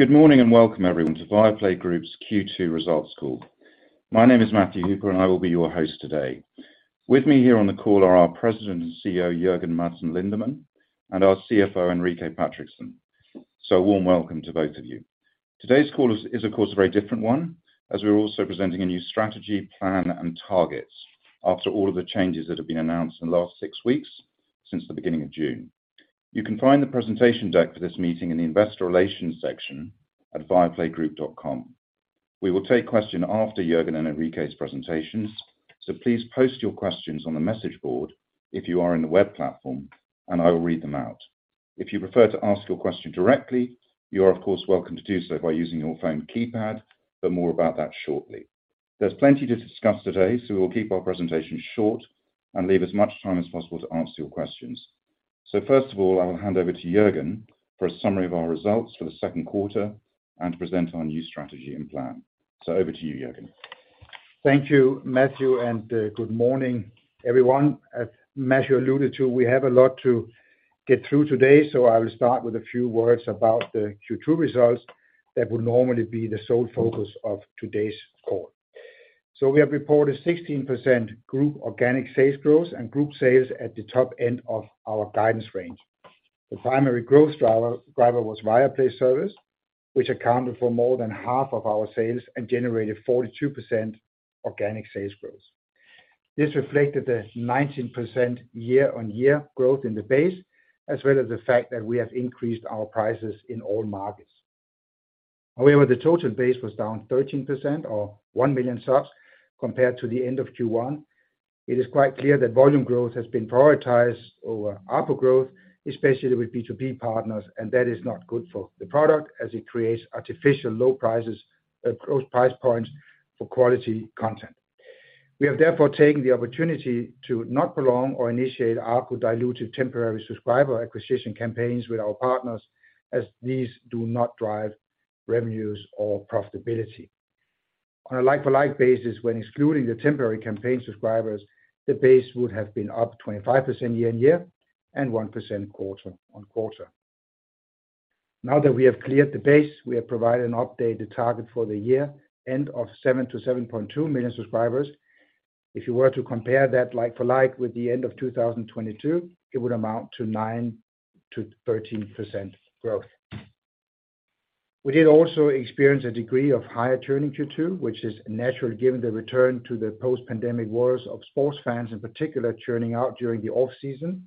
Good morning, and welcome everyone to Viaplay Group's Q2 results call. My name is Matthew Hooper, and I will be your host today. With me here on the call are our President and CEO, Jørgen Madsen Lindemann, and our CFO, Enrique Patrickson. A warm welcome to both of you. Today's call is, of course, a very different one, as we're also presenting a new strategy, plan and targets after all of the changes that have been announced in the last six weeks since the beginning of June. You can find the presentation deck for this meeting in the Investor Relations section at viaplaygroup.com. We will take questions after Jørgen and Enrique's presentations, so please post your questions on the message board if you are in the web platform, and I will read them out. If you prefer to ask your question directly, you are, of course, welcome to do so by using your phone keypad, but more about that shortly. There's plenty to discuss today, we will keep our presentation short and leave as much time as possible to answer your questions. First of all, I will hand over to Jørgen for a summary of our results for the second quarter and to present our new strategy and plan. Over to you, Jørgen. Thank you, Matthew, good morning, everyone. As Matthew alluded to, we have a lot to get through today, so I will start with a few words about the Q2 results that would normally be the sole focus of today's call. We have reported 16% group organic sales growth and group sales at the top end of our guidance range. The primary growth driver was Viaplay service, which accounted for more than half of our sales and generated 42% organic sales growth. This reflected the 19% year-on-year growth in the base, as well as the fact that we have increased our prices in all markets. The total base was down 13% or 1 million subs compared to the end of Q1. It is quite clear that volume growth has been prioritized over ARPU growth, especially with B2B partners. That is not good for the product as it creates artificial low prices, close price points for quality content. We have therefore taken the opportunity to not prolong or initiate ARPU diluted temporary subscriber acquisition campaigns with our partners, as these do not drive revenues or profitability. On a like-for-like basis, when excluding the temporary campaign subscribers, the base would have been up 25% year-over-year and 1% quarter-over-quarter. Now that we have cleared the base, we have provided an updated target for the year, end of seven million-7.2 million subscribers. If you were to compare that like for like with the end of 2022, it would amount to 9%-13% growth. We did also experience a degree of higher churning Q2, which is natural given the return to the post-pandemic wars of sports fans, in particular, churning out during the off-season.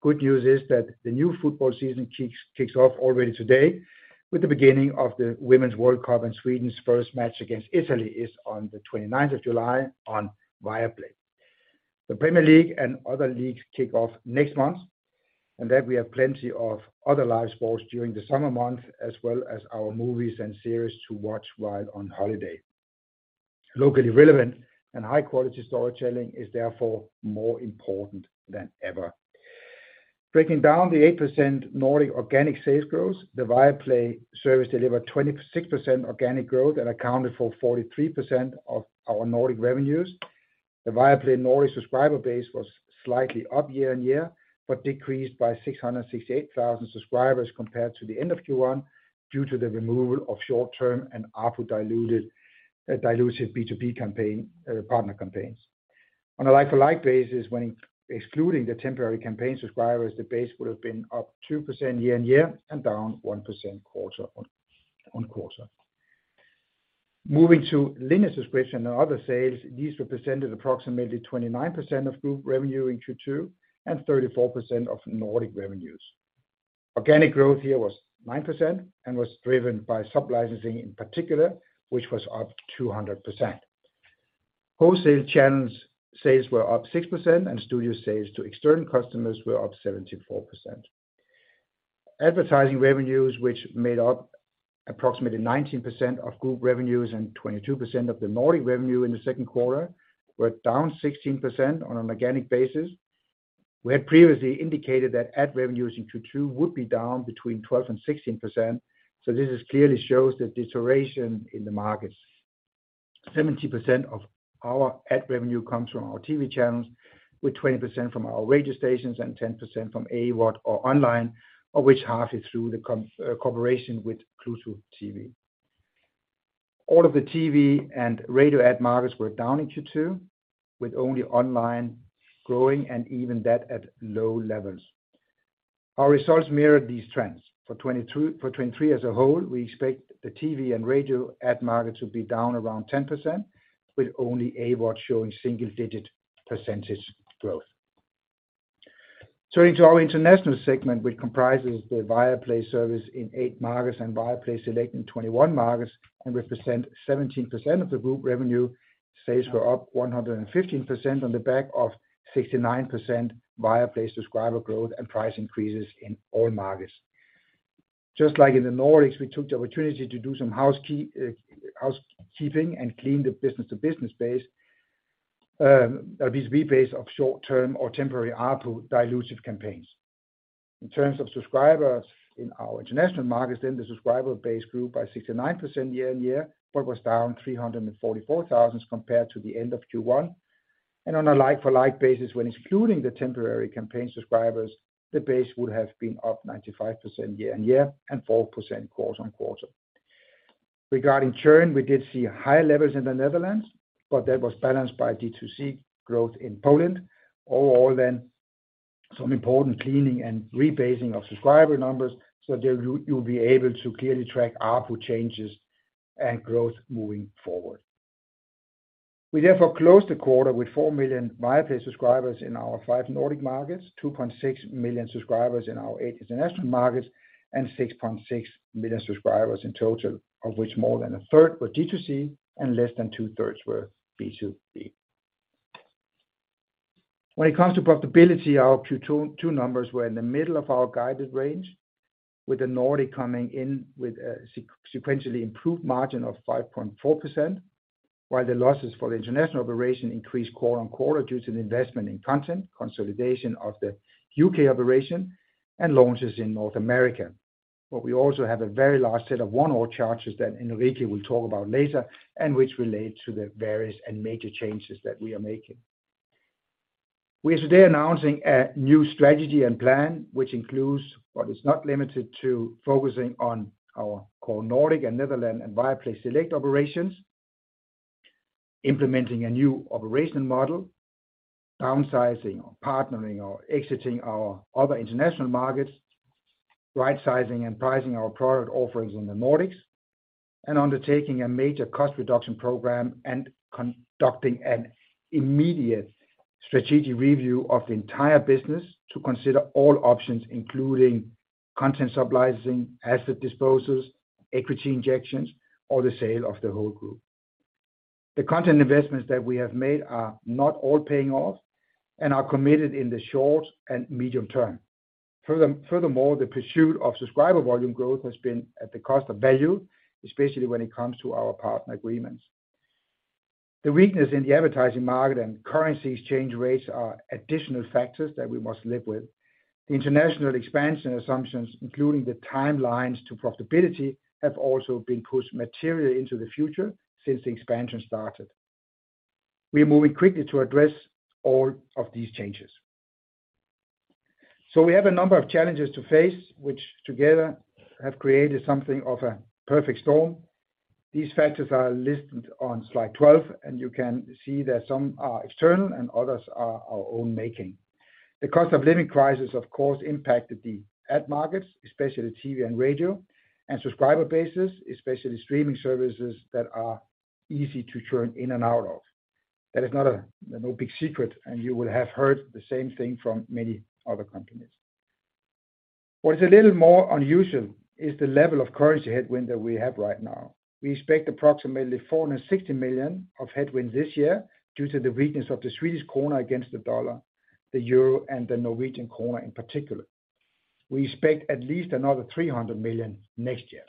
Good news is that the new football season kicks off already today, with the beginning of the Women's World Cup. Sweden's first match against Italy is on the 29th of July on Viaplay. The Premier League and other leagues kick off next month. We have plenty of other live sports during the summer months, as well as our movies and series to watch while on holiday. Locally relevant and high-quality storytelling is therefore more important than ever. Breaking down the 8% Nordic organic sales growth, the Viaplay service delivered 26% organic growth and accounted for 43% of our Nordic revenues. The Viaplay Nordic subscriber base was slightly up year-on-year, but decreased by 668,000 subscribers compared to the end of Q1, due to the removal of short-term and ARPU diluted, dilutive B2B campaign, partner campaigns. On a like-for-like basis, when excluding the temporary campaign subscribers, the base would have been up 2% year-on-year and down 1% quarter-on-quarter. Moving to linear subscription and other sales, these represented approximately 29% of group revenue in Q2 and 34% of Nordic revenues. Organic growth here was 9% and was driven by sub-licensing in particular, which was up 200%. Wholesale channels sales were up 6%, and studio sales to external customers were up 74%. Advertising revenues, which made up approximately 19% of group revenues and 22% of the Nordic revenue in the second quarter, were down 16% on an organic basis. We had previously indicated that ad revenues in Q2 would be down between 12% and 16%, This is clearly shows the deterioration in the markets. 70% of our ad revenue comes from our TV channels, with 20% from our radio stations and 10% from AVOD or online, of which half is through the com, cooperation with Pluto TV. All of the TV and radio ad markets were down in Q2, with only online growing and even that at low levels. Our results mirrored these trends. For 2023 as a whole, we expect the TV and radio ad market to be down around 10%, with only AVOD showing single-digit percentage growth. Turning to our international segment, which comprises the Viaplay service in eight markets and Viaplay Select in 21 markets and represent 17% of the group revenue, sales were up 115% on the back of 69% Viaplay subscriber growth and price increases in all markets. Just like in the Nordics, we took the opportunity to do some housekeeping and clean the business to business base, B2B base of short-term or temporary ARPU dilutive campaigns. In terms of subscribers in our international markets, then the subscriber base grew by 69% year-on-year, but was down 344,000 compared to the end of Q1. And on a like-for-like basis, when excluding the temporary campaign subscribers, the base would have been up 95% year-on-year and 4% quarter-on-quarter. Regarding churn, we did see higher levels in the Netherlands, but that was balanced by D2C growth in Poland. Overall, some important cleaning and rebasing of subscriber numbers, so that you'll be able to clearly track ARPU changes and growth moving forward. We therefore closed the quarter with four million Viaplay subscribers in our five Nordic markets, 2.6 million subscribers in our eight international markets, and 6.6 million subscribers in total, of which more than a 1/3 were D2C and less than 2/3 were B2B. When it comes to profitability, our Q2 numbers were in the middle of our guided range, with the Nordic coming in with a sequentially improved margin of 5.4%, while the losses for the international operation increased quarter on quarter due to the investment in content, consolidation of the U.K. operation, and launches in North America. We also have a very large set of one-off charges that Enrique will talk about later, and which relate to the various and major changes that we are making. We are today announcing a new strategy and plan, which includes, but is not limited to, focusing on our core Nordic and Netherlands and Viaplay Select operations, implementing a new operational model, downsizing or partnering or exiting our other international markets, right sizing and pricing our product offerings in the Nordics, and undertaking a major cost reduction program, and conducting an immediate strategic review of the entire business to consider all options, including content subleasing, asset disposals, equity injections, or the sale of the whole group. The content investments that we have made are not all paying off and are committed in the short and medium term. The pursuit of subscriber volume growth has been at the cost of value, especially when it comes to our partner agreements. The weakness in the advertising market and currency exchange rates are additional factors that we must live with. The international expansion assumptions, including the timelines to profitability, have also been pushed materially into the future since the expansion started. We have a number of challenges to face, which together have created something of a perfect storm. These factors are listed on slide 12, and you can see that some are external and others are our own making. The cost of living crisis, of course, impacted the ad markets, especially TV and radio, and subscriber bases, especially streaming services that are easy to churn in and out of. That is not a, no big secret, and you will have heard the same thing from many other companies. What is a little more unusual is the level of currency headwind that we have right now. We expect approximately 460 million of headwind this year due to the weakness of the Swedish krona against the dollar, the euro, and the Norwegian krona in particular. We expect at least another 300 million next year.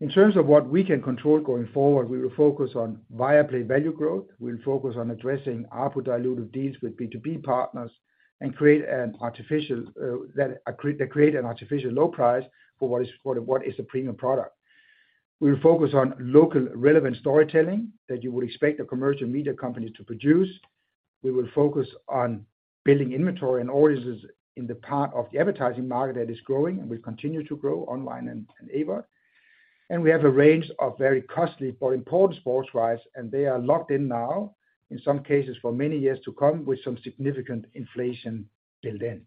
In terms of what we can control going forward, we will focus on Viaplay value growth. We'll focus on addressing ARPU dilutive deals with B2B partners and create an artificial that create an artificial low price for what is a premium product. We will focus on local, relevant storytelling that you would expect a commercial media company to produce. We will focus on building inventory and audiences in the part of the advertising market that is growing and will continue to grow online and in AVOD. We have a range of very costly but important sports rights, and they are locked in now, in some cases for many years to come, with some significant inflation built in.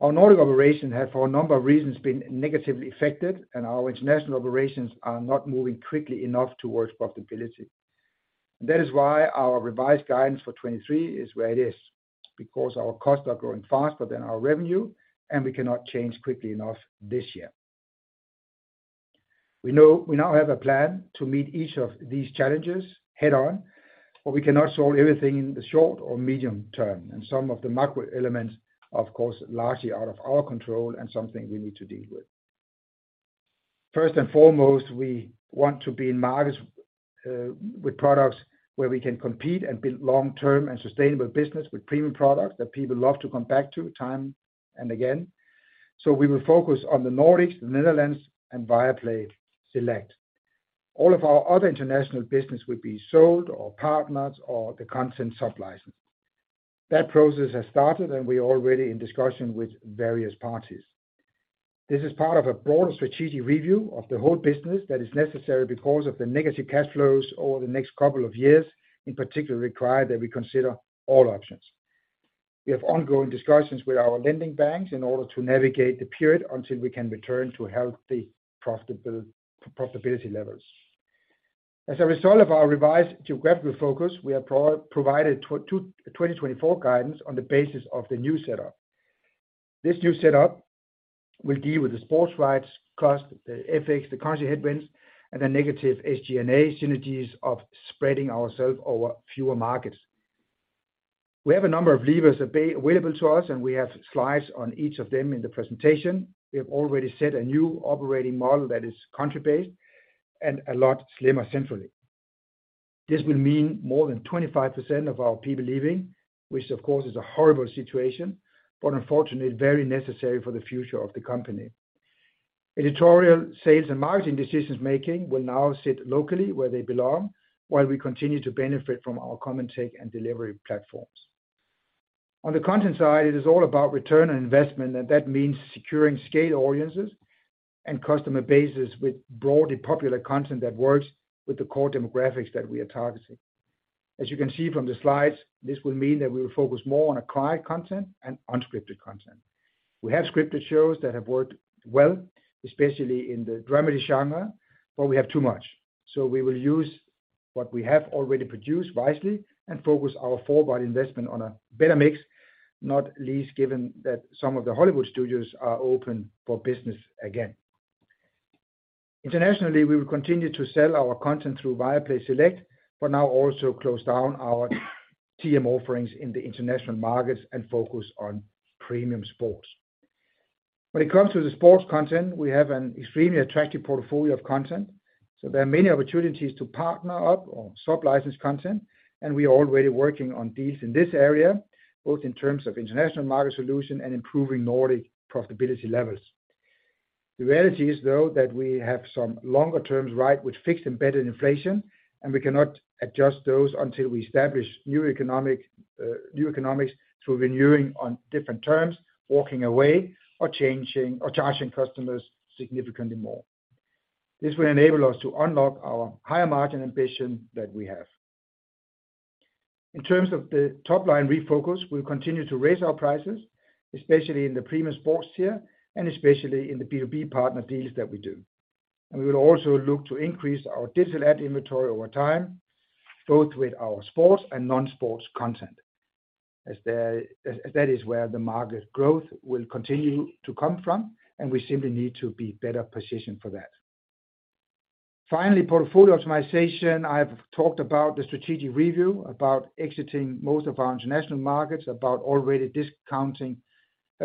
Our Nordic operation have, for a number of reasons, been negatively affected, and our international operations are not moving quickly enough towards profitability. That is why our revised guidance for 23 is where it is, because our costs are growing faster than our revenue, and we cannot change quickly enough this year. We now have a plan to meet each of these challenges head on, but we cannot solve everything in the short or medium term, and some of the macro elements are, of course, largely out of our control and something we need to deal with. First and foremost, we want to be in markets, with products where we can compete and build long-term and sustainable business with premium products that people love to come back to time and again. We will focus on the Nordics, the Netherlands, and Viaplay Select. All of our other international business will be sold or partnered or the content sublicensed. That process has started, and we are already in discussion with various parties. This is part of a broader strategic review of the whole business that is necessary because of the negative cash flows over the next couple of years, in particular, require that we consider all options. We have ongoing discussions with our lending banks in order to navigate the period until we can return to healthy, profitable, profitability levels. As a result of our revised geographical focus, we have provided 2024 guidance on the basis of the new setup. This new setup will deal with the sports rights cost, the FX, the currency headwinds, and the negative SG&A synergies of spreading ourselves over fewer markets. We have a number of levers available to us, and we have slides on each of them in the presentation. We have already set a new operating model that is country-based and a lot slimmer centrally. This will mean more than 25% of our people leaving, which of course is a horrible situation, but unfortunately, very necessary for the future of the company. Editorial, sales, and marketing decisions making will now sit locally where they belong, while we continue to benefit from our common tech and delivery platforms. On the content side, it is all about return on investment, and that means securing scale audiences and customer bases with broadly popular content that works with the core demographics that we are targeting. As you can see from the slides, this will mean that we will focus more on acquired content and unscripted content. We have scripted shows that have worked well, especially in the dramedy genre, but we have too much. We will use what we have already produced wisely and focus our forward investment on a better mix, not least given that some of the Hollywood studios are open for business again. Internationally, we will continue to sell our content through Viaplay Select, but now also close down our TVOD offerings in the international markets and focus on premium sports. When it comes to the sports content, we have an extremely attractive portfolio of content. There are many opportunities to partner up or sublicense content. We are already working on deals in this area, both in terms of international market solution and improving Nordic profitability levels. The reality is, though, that we have some longer term right with fixed embedded inflation. We cannot adjust those until we establish new economic, new economics through renewing on different terms, walking away, or charging customers significantly more. This will enable us to unlock our higher margin ambition that we have. In terms of the top line refocus, we'll continue to raise our prices, especially in the premium sports tier, and especially in the B2B partner deals that we do. We will also look to increase our digital ad inventory over time, both with our sports and non-sports content, as that is where the market growth will continue to come from, and we simply need to be better positioned for that. Finally, portfolio optimization. I've talked about the strategic review, about exiting most of our international markets, about already discounting,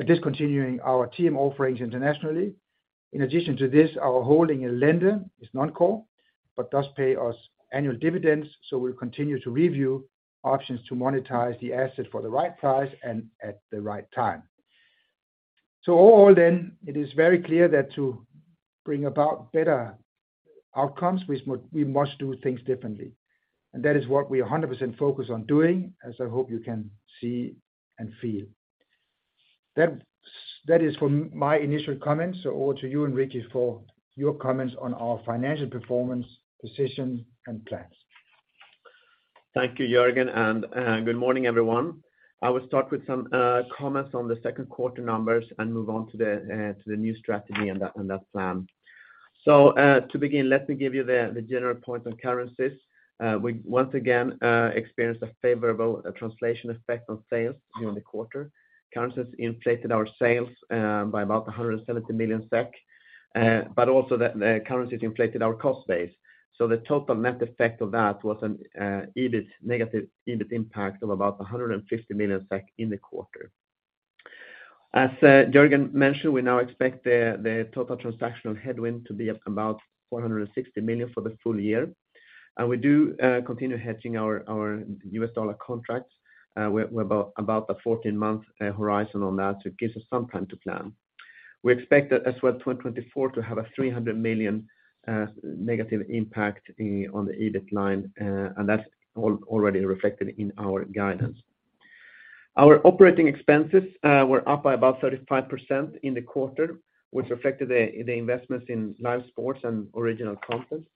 discontinuing our TVOD offerings internationally. In addition to this, our holding in Lende is non-core, but does pay us annual dividends, so we'll continue to review options to monetize the asset for the right price and at the right time. All in, it is very clear that to bring about better outcomes, we must do things differently. That is what we are 100% focused on doing, as I hope you can see and feel. That is for my initial comments. Over to you, Enrique, for your comments on our financial performance, decisions, and plans. Thank you, Jørgen, good morning, everyone. I will start with some comments on the second quarter numbers and move on to the new strategy and that plan. To begin, let me give you the general point on currencies. We once again experienced a favorable translation effect on sales during the quarter. Currencies inflated our sales by about 170 million SEK, but also the currencies inflated our cost base. The total net effect of that was an EBIT, negative EBIT impact of about 150 million SEK in the quarter. As Jørgen mentioned, we now expect the total transactional headwind to be about 460 million for the full year, and we do continue hedging our US dollar contracts. We're about a 14-month horizon on that, it gives us some time to plan. We expect that as well 2024 to have a 300 million negative impact on the EBIT line, and that's already reflected in our guidance. Our operating expenses were up by about 35% in the quarter, which reflected the investments in live sports and original content.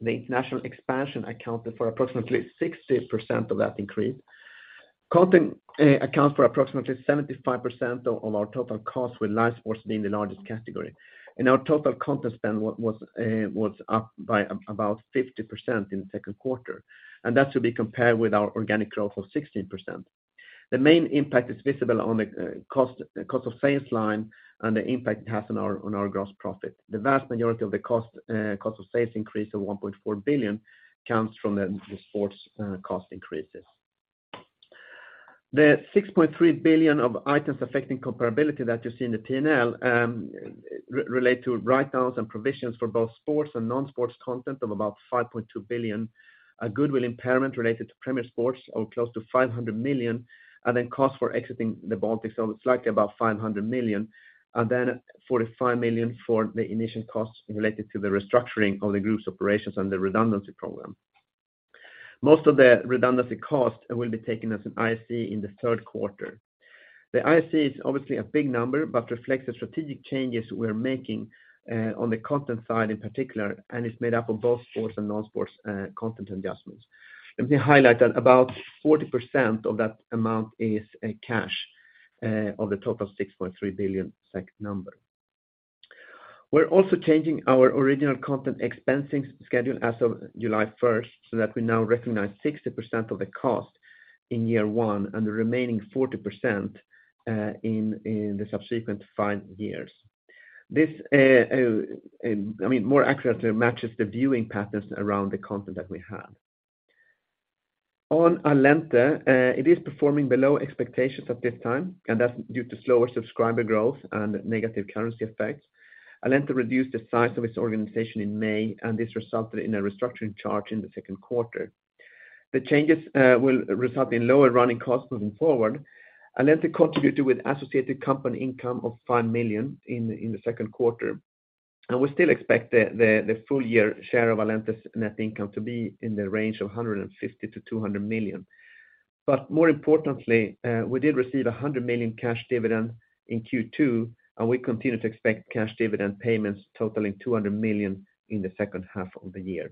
The international expansion accounted for approximately 60% of that increase. Content accounts for approximately 75% of our total costs, with live sports being the largest category. Our total content spend was up by about 50% in the second quarter, that should be compared with our organic growth of 16%. The main impact is visible on the cost of sales line and the impact it has on our gross profit. The vast majority of the cost of sales increase of 1.4 billion comes from the sports cost increases. The 6.3 billion of items affecting comparability that you see in the P&L relate to write-downs and provisions for both sports and non-sports content of about 5.2 billion, a goodwill impairment related to Premier Sports of close to 500 million, cost for exiting the Baltics, it's likely about 500 million, 45 million for the initial costs related to the restructuring of the group's operations and the redundancy program. Most of the redundancy cost will be taken as an IAC in the third quarter. The IFC is obviously a big number, but reflects the strategic changes we're making on the content side in particular, and it's made up of both sports and non-sports content adjustments. Let me highlight that about 40% of that amount is cash of the total 6.3 billion SEK number. We're also changing our original content expensing schedule as of July 1st, so that we now recognize 60% of the cost in year one, and the remaining 40% in the subsequent five years. This, I mean, more accurately matches the viewing patterns around the content that we have. On Allente, it is performing below expectations at this time, and that's due to slower subscriber growth and negative currency effects. Allente reduced the size of its organization in May, this resulted in a restructuring charge in the second quarter. The changes will result in lower running costs moving forward, Allente contributed with associated company income of 5 million in the second quarter. We still expect the full year share of Allente's net income to be in the range of 150 million-200 million. More importantly, we did receive a 100 million cash dividend in Q2, and we continue to expect cash dividend payments totaling 200 million in the second half of the year.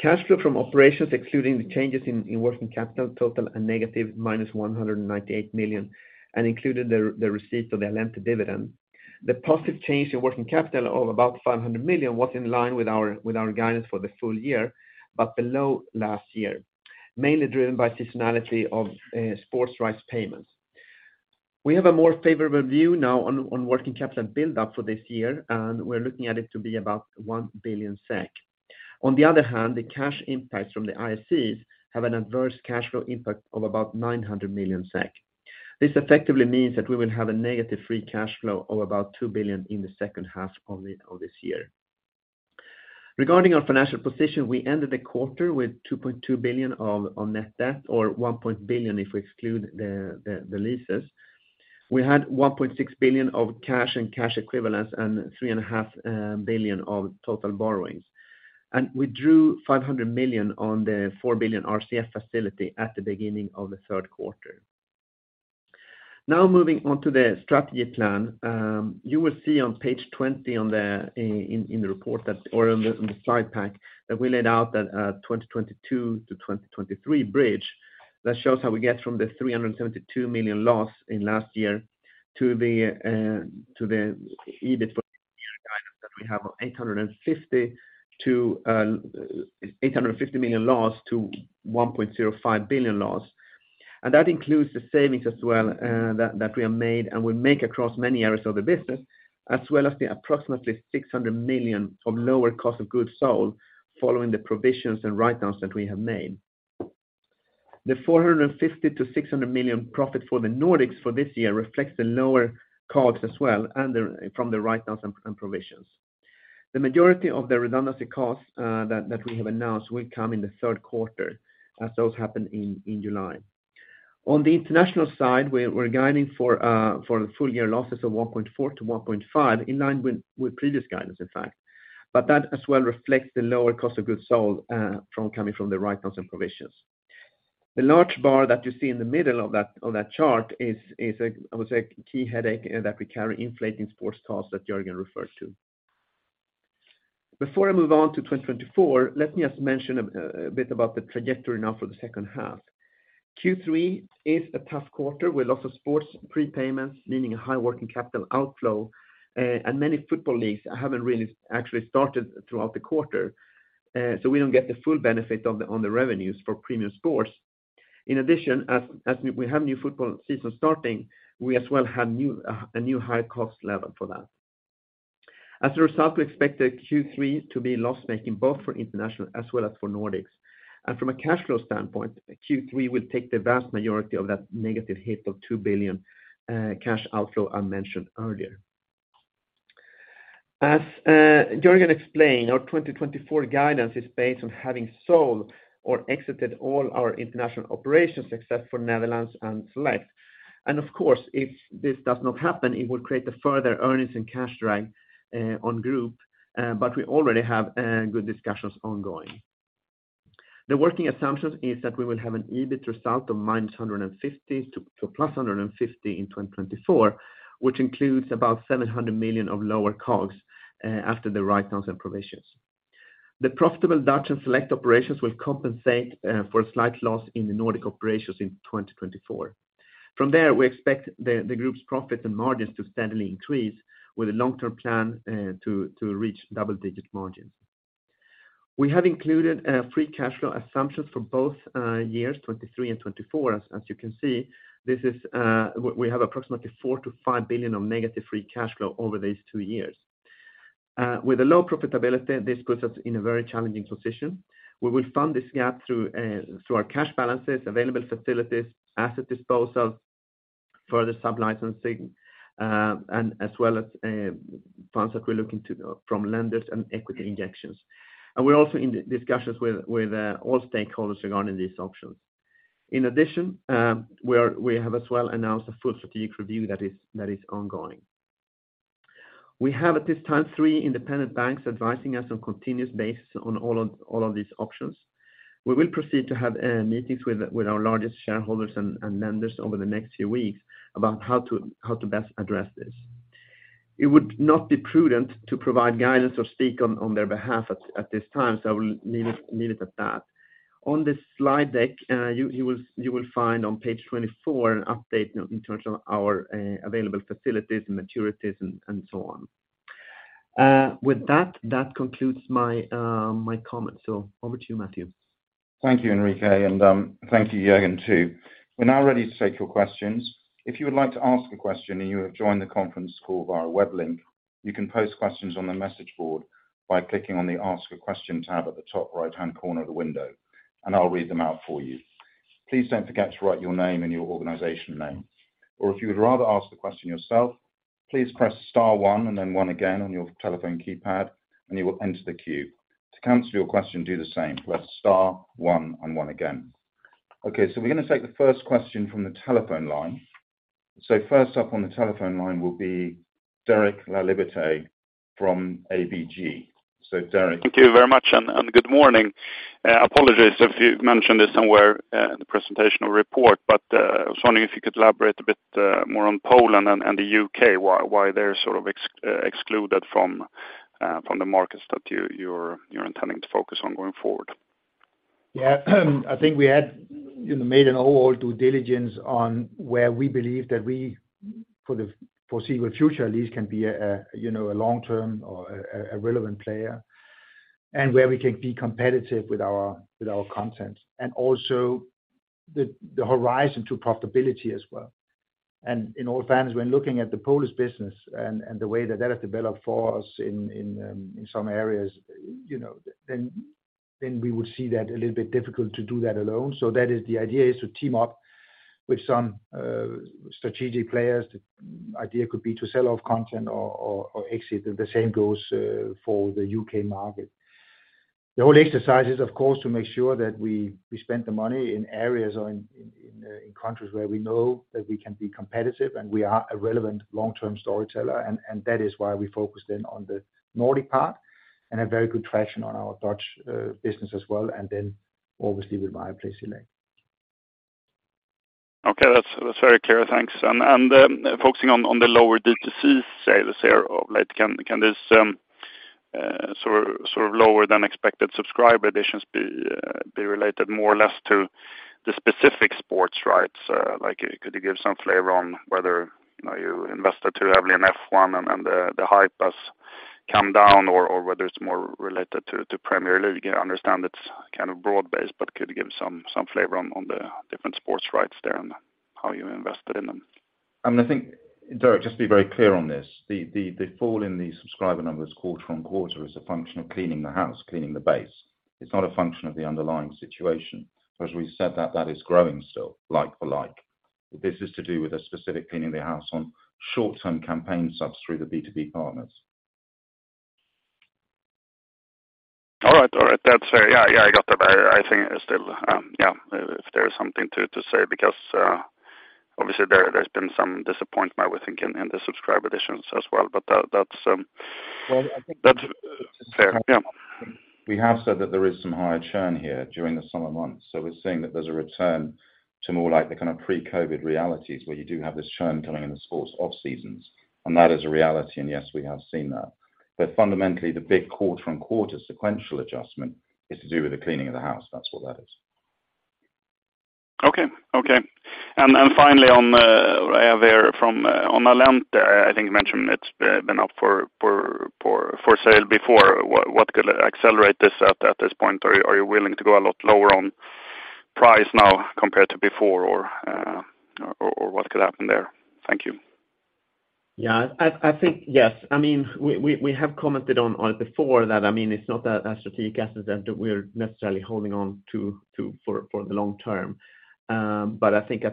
Cash flow from operations, excluding the changes in working capital, total and negative, -198 million, and included the receipt of the Allente dividend. The positive change in working capital of about 500 million was in line with our guidance for the full year, but below last year, mainly driven by seasonality of sports rights payments. We have a more favorable view now on working capital build-up for this year, and we're looking at it to be about 1 billion SEK. On the other hand, the cash impacts from the IACs have an adverse cash flow impact of about 900 million SEK. This effectively means that we will have a negative free cash flow of about 2 billion in the second half of this year. Regarding our financial position, we ended the quarter with 2.2 billion on net debt, or 1 point billion, if we exclude the leases. We had 1.6 billion of cash and cash equivalents and 3.5 billion of total borrowings. We drew 500 million on the 4 billion RCF facility at the beginning of the third quarter. Moving on to the strategy plan. You will see on page 20 on the report or on the slide pack that we laid out that 2022-2023 bridge that shows how we get from the 372 million loss in last year to the EBIT for guidance that we have 850 million to 850 million loss to 1.05 billion loss. That includes the savings as well, that we have made and will make across many areas of the business, as well as the approximately 600 million of lower cost of goods sold, following the provisions and write-downs that we have made. The 450 million-600 million profit for the Nordics for this year reflects the lower COGS as well, and from the write-downs and provisions. The majority of the redundancy costs, that we have announced will come in the third quarter, as those happen in July. On the international side, we're guiding for the full-year losses of 1.4 billion-1.5 billion, in line with previous guidance, in fact. That as well reflects the lower cost of goods sold, from coming from the write-downs and provisions. The large bar that you see in the middle of that chart is a, I would say, key headache that we carry inflating sports costs that Jørgen referred to. Before I move on to 2024, let me just mention a bit about the trajectory now for the second half. Q3 is a tough quarter with lots of sports prepayments, meaning a high working capital outflow, many football leagues haven't really actually started throughout the quarter. We don't get the full benefit of the revenues for premier sports. In addition, as we have new football season starting, we as well have a new high cost level for that. As a result, we expect the Q3 to be loss-making, both for international as well as for Nordics. From a cash flow standpoint, Q3 will take the vast majority of that negative hit of 2 billion cash outflow I mentioned earlier. As Jørgen explained, our 2024 guidance is based on having sold or exited all our international operations, except for Netherlands and Select. Of course, if this does not happen, it will create a further earnings and cash drag on Group, but we already have good discussions ongoing. The working assumption is that we will have an EBIT result of -150 to +150 in 2024, which includes about 700 million of lower COGS after the write-downs and provisions. The profitable Dutch and Select operations will compensate for a slight loss in the Nordic operations in 2024. From there, we expect the group's profit and margins to steadily increase with a long-term plan to reach double-digit margins. We have included free cash flow assumptions for both years, 2023 and 2024. As you can see, this is we have approximately 4 billion-5 billion of negative free cash flow over these two years. With a low profitability, this puts us in a very challenging position. We will fund this gap through our cash balances, available facilities, asset disposals, further sub-licensing, as well as funds that we're looking to from lenders and equity injections. We're also in the discussions with all stakeholders regarding these options. In addition, we have as well announced a full strategic review that is ongoing. We have, at this time, three independent banks advising us on continuous basis on all of these options. We will proceed to have meetings with our largest shareholders and lenders over the next few weeks about how to best address this. It would not be prudent to provide guidance or speak on their behalf at this time, I will leave it at that. On this slide deck, you will find on page 24 an update in terms of our available facilities and maturities, and so on. With that concludes my comments. Over to you, Matthew. Thank you, Enrique, and thank you, Jørgen, too. We're now ready to take your questions. If you would like to ask a question and you have joined the conference call via web link, you can post questions on the message board by clicking on the Ask a Question tab at the top right-hand corner of the window, and I'll read them out for you. Please don't forget to write your name and your organization name, or if you would rather ask the question yourself, please press star one and then one again on your telephone keypad, and you will enter the queue. To cancel your question, do the same, press star one and one again. Okay, we're gonna take the first question from the telephone line. First up on the telephone line will be Derek Laliberté from ABG. Derek? Thank you very much, and good morning. Apologies if you mentioned this somewhere in the presentation or report, but I was wondering if you could elaborate a bit more on Poland and the U.K. Why they're sort of excluded from the markets that you're intending to focus on going forward? Yeah. I think we had, you know, made an overall due diligence on where we believe that we, for the foreseeable future at least, can be a, you know, a long-term or a relevant player, and where we can be competitive with our content, and also the horizon to profitability as well. In all fairness, when looking at the Polish business and the way that has developed for us in some areas, you know, then we would see that a little bit difficult to do that alone. That is the idea, is to team up with some strategic players. The idea could be to sell off content or exit. The same goes for the U.K. market. The whole exercise is, of course, to make sure that we spend the money in areas or in countries where we know that we can be competitive, and we are a relevant long-term storyteller. That is why we focused in on the Nordic part and have very good traction on our Dutch business as well, and then obviously with MyPlace eShop. Okay, that's very clear. Thanks. Focusing on the lower D2C sales here of late, can this sort of lower-than-expected subscriber additions be related more or less to the specific sports rights? Like, could you give some flavor on whether, you know, you invested too heavily in F1 and the hype has come down, or whether it's more related to Premier League? I understand it's kind of broad-based, but could you give some flavor on the different sports rights there and how you invested in them? I think, Derek, just to be very clear on this, the fall in the subscriber numbers quarter on quarter is a function of cleaning the house, cleaning the base. It's not a function of the underlying situation. As we said, that is growing still, like for like. This is to do with a specific cleaning the house on short-term campaign subs through the B2B partners. All right. All right, that's, yeah, I got that. I think it's still, yeah, if there is something to say, because, obviously there's been some disappointment, we think, in the subscriber additions as well, but that's. Well, I think. That's fair, yeah. We have said that there is some higher churn here during the summer months. We're seeing that there's a return to more like the kind of pre-COVID realities, where you do have this churn coming in the sports off seasons. That is a reality, and yes, we have seen that. Fundamentally, the big quarter-on-quarter sequential adjustment is to do with the cleaning of the house. That's what that is. Okay. And finally, on Allente, I think you mentioned it's been up for sale before. What could accelerate this at this point? Are you willing to go a lot lower on price now compared to before, or what could happen there? Thank you. Yeah, I think yes. I mean, we have commented on it before that, I mean, it's not a strategic asset that we're necessarily holding on to for the long term. I think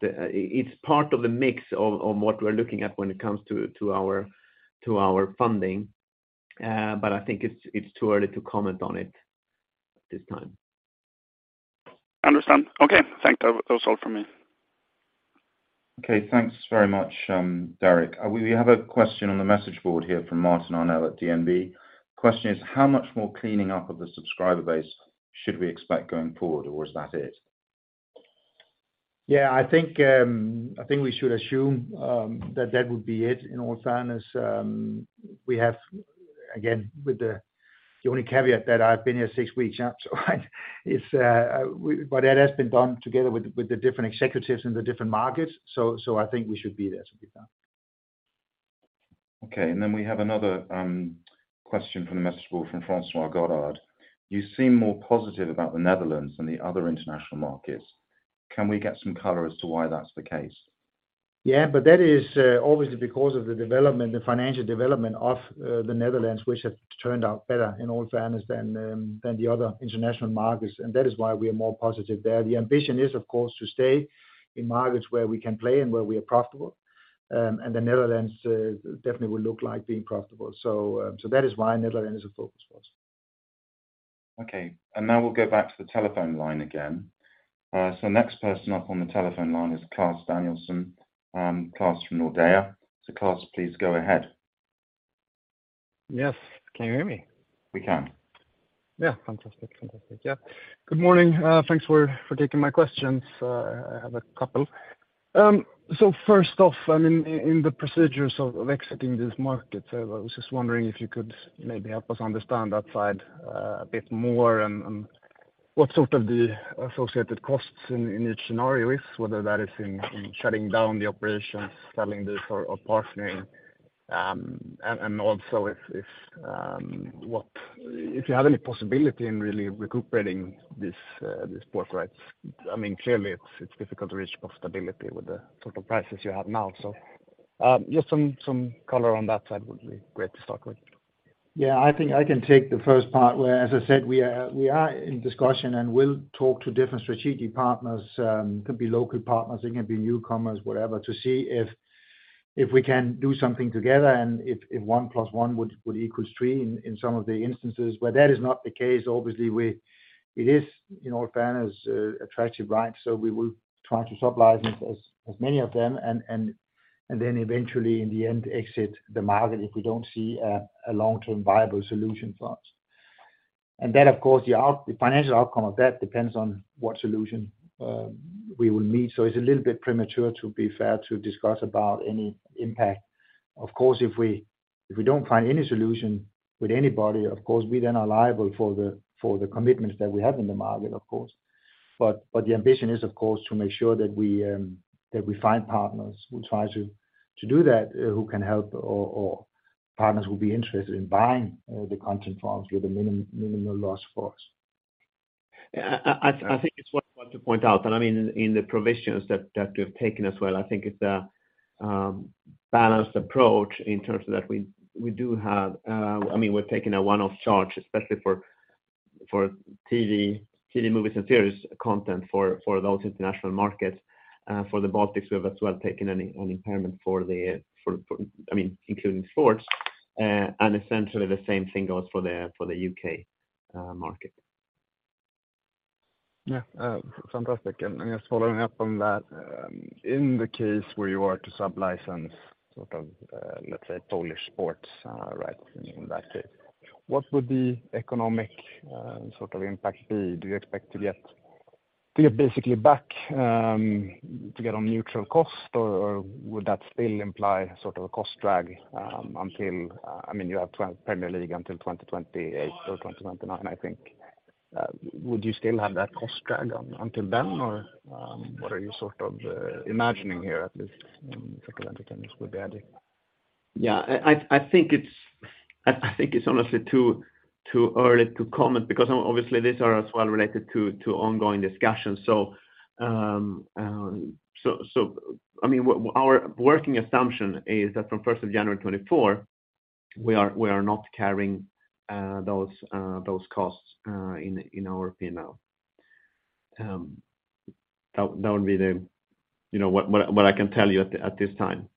it's part of the mix of what we're looking at when it comes to our funding. I think it's too early to comment on it this time. Understand. Okay, thanks. That's all from me. Okay, thanks very much, Derek. We have a question on the message board here from Martin Arnell at DNB. Question is: How much more cleaning up of the subscriber base should we expect going forward, or is that it? I think, I think we should assume that that would be it, in all fairness. We have, again, with the only caveat that I've been here six weeks, but that has been done together with the different executives in the different markets. I think we should be there to be done. Okay, we have another question from the message board from François Godard. You seem more positive about the Netherlands than the other international markets. Can we get some color as to why that's the case? Yeah, that is obviously because of the development, the financial development of the Netherlands, which has turned out better, in all fairness, than the other international markets, and that is why we are more positive there. The ambition is, of course, to stay in markets where we can play and where we are profitable, and the Netherlands definitely will look like being profitable. That is why Netherlands is a focus for us. Okay, and now we'll go back to the telephone line again. Next person up on the telephone line is Claus Almer, Claus from Nordea. Claus, please go ahead. Yes, can you hear me? We can. Yeah. Fantastic, fantastic. Yeah, good morning. Thanks for taking my questions. I have a couple. First off, I mean, in the procedures of exiting these markets, I was just wondering if you could maybe help us understand that side a bit more, and what sort of the associated costs in each scenario is, whether that is in shutting down the operations, selling this, or partnering. Also if you have any possibility in really recuperating this, these port rights? I mean, clearly, it's difficult to reach profitability with the total prices you have now. Just some color on that side would be great to start with. Yeah, I think I can take the first part, where, as I said, we are in discussion. We'll talk to different strategic partners. Could be local partners, it can be newcomers, whatever, to see if we can do something together, and if 1 + 1 = 3 in some of the instances. That is not the case, obviously it is, in all fairness, attractive, right? We will try to sublicense as many of them, and then eventually in the end, exit the market if we don't see a long-term viable solution for us. Then, of course, the financial outcome of that depends on what solution we will need. It's a little bit premature, to be fair, to discuss about any impact. Of course, if we don't find any solution with anybody, of course, we then are liable for the commitments that we have in the market, of course. The ambition is, of course, to make sure that we find partners. We'll try to do that who can help or partners who will be interested in buying the content forms with a minimal loss for us. Yeah, I think it's worth to point out, I mean, in the provisions that we have taken as well, I think it's a balanced approach in terms of that we do have. I mean, we're taking a one-off charge, especially for TV movies and series content for those international markets. For the Baltics, we have as well taken an impairment for, I mean, including sports. Essentially the same thing goes for the U.K. market. Yeah, fantastic. Just following up on that, in the case where you are to sublicense, sort of, let's say, Polish sports, right, in that case, what would the economic, sort of impact be? Do you expect to get basically back, to get on neutral cost, or would that still imply sort of a cost drag until I mean, you have Premier League until 2028 or 2029, I think. Would you still have that cost drag until then? What are you sort of imagining here, at least, for the entertainment with the added? Yeah, I think it's, I think it's honestly too early to comment, because obviously these are as well related to ongoing discussions. I mean, our working assumption is that from first of January 2024, we are not carrying those costs in our P&L. That would be the, you know, what I can tell you at this time.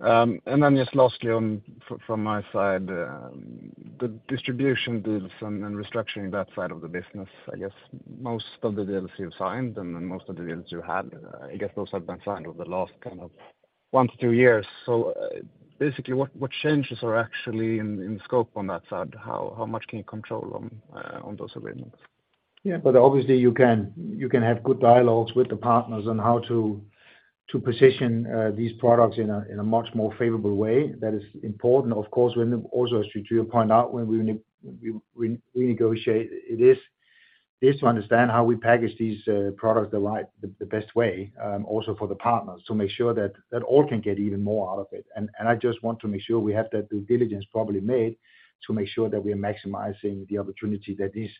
Yeah. Yeah, okay. Just lastly on, from my side, the distribution deals and restructuring that side of the business, I guess most of the deals you've signed, and then most of the deals you had, I guess those have been signed over the last kind of one to two years. Basically, what changes are actually in scope on that side? How much can you control on those agreements? Obviously you can have good dialogues with the partners on how to position these products in a much more favorable way. That is important. Of course, when also, as you point out, when we negotiate it is to understand how we package these products the best way, also for the partners, to make sure that all can get even more out of it. I just want to make sure we have that due diligence properly made, to make sure that we are maximizing the opportunity that is,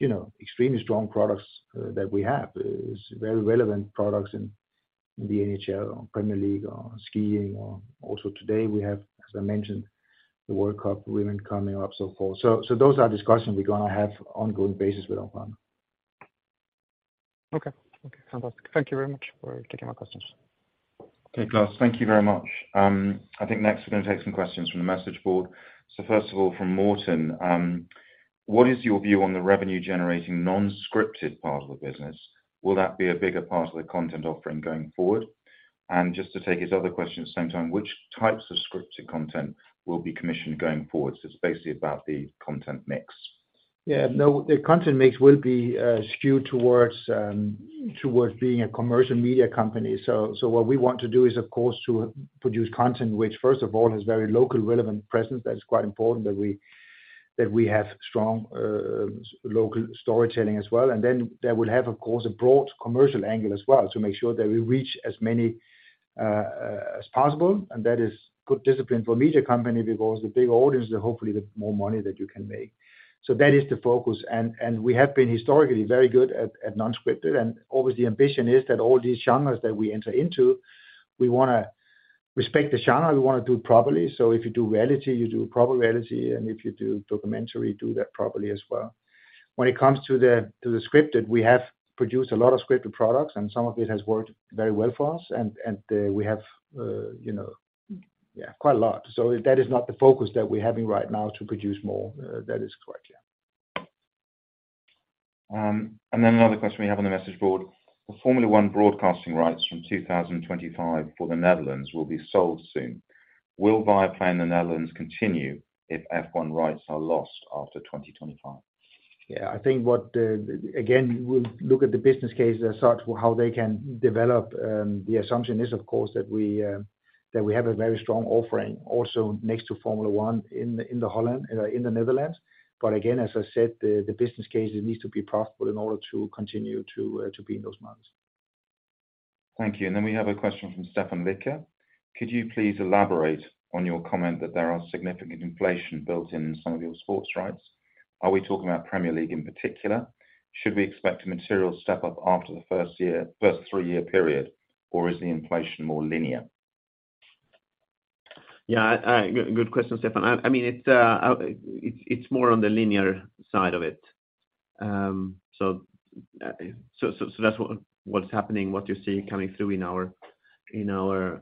you know, extremely strong products that we have. It's very relevant products in the NHL or Premier League or skiing or also today we have, as I mentioned, the World Cup women coming up, so forth. Those are discussions we're going to have ongoing basis with our partner. Okay. Okay, fantastic. Thank you very much for taking my questions. Okay, Claus, thank you very much. I think next we're going to take some questions from the message board. First of all, from Morton: What is your view on the revenue-generating, non-scripted part of the business? Will that be a bigger part of the content offering going forward? Just to take his other question at the same time, which types of scripted content will be commissioned going forward? It's basically about the content mix. Yeah. No, the content mix will be skewed towards towards being a commercial media company. What we want to do is, of course, to produce content which, first of all, has very local, relevant presence. That is quite important that we have strong local storytelling as well. That would have, of course, a broad commercial angle as well, to make sure that we reach as many as possible. That is good discipline for a media company, because the big audience is hopefully the more money that you can make. That is the focus, and we have been historically very good at non-scripted. Obviously the ambition is that all these genres that we enter into, we wanna respect the genre, we wanna do it properly. If you do reality, you do proper reality, and if you do documentary, do that properly as well. When it comes to the, to the scripted, we have produced a lot of scripted products, and some of it has worked very well for us, and we have, you know, quite a lot. That is not the focus that we're having right now to produce more, that is correct. Another question we have on the message board: The Formula 1 broadcasting rights from 2025 for the Netherlands will be sold soon. Will Viaplay in the Netherlands continue if F1 rights are lost after 2025? I think what, again, we'll look at the business case as such, how they can develop. The assumption is, of course, that we have a very strong offering also next to Formula 1 in the Netherlands. Again, as I said, the business case, it needs to be profitable in order to continue to be in those markets. Thank you. We have a question from Stefan Victor: Could you please elaborate on your comment that there are significant inflation built in some of your sports rights? Are we talking about Premier League in particular? Should we expect a material step up after the first year, first three-year period, or is the inflation more linear? Good question, Stefan. I mean, it's more on the linear side of it. That's what's happening, what you see coming through in our P&L.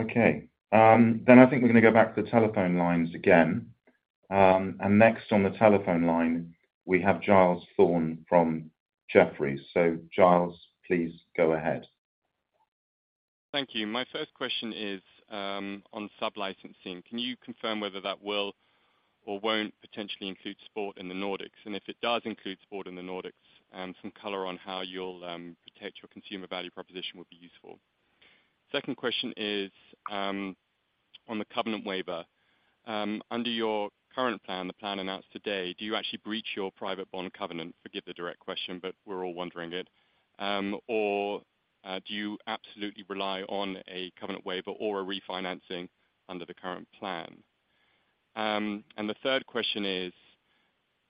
Okay. I think we're gonna go back to the telephone lines again. Next on the telephone line, we have Giles Thorne from Jefferies. Giles, please go ahead. Thank you. My first question is on sub-licensing. Can you confirm whether that will or won't potentially include sport in the Nordics? If it does include sport in the Nordics, some color on how you'll protect your consumer value proposition would be useful. Second question is on the covenant waiver. Under your current plan, the plan announced today, do you actually breach your private bond covenant? Forgive the direct question, but we're all wondering it. Do you absolutely rely on a covenant waiver or a refinancing under the current plan? The third question is: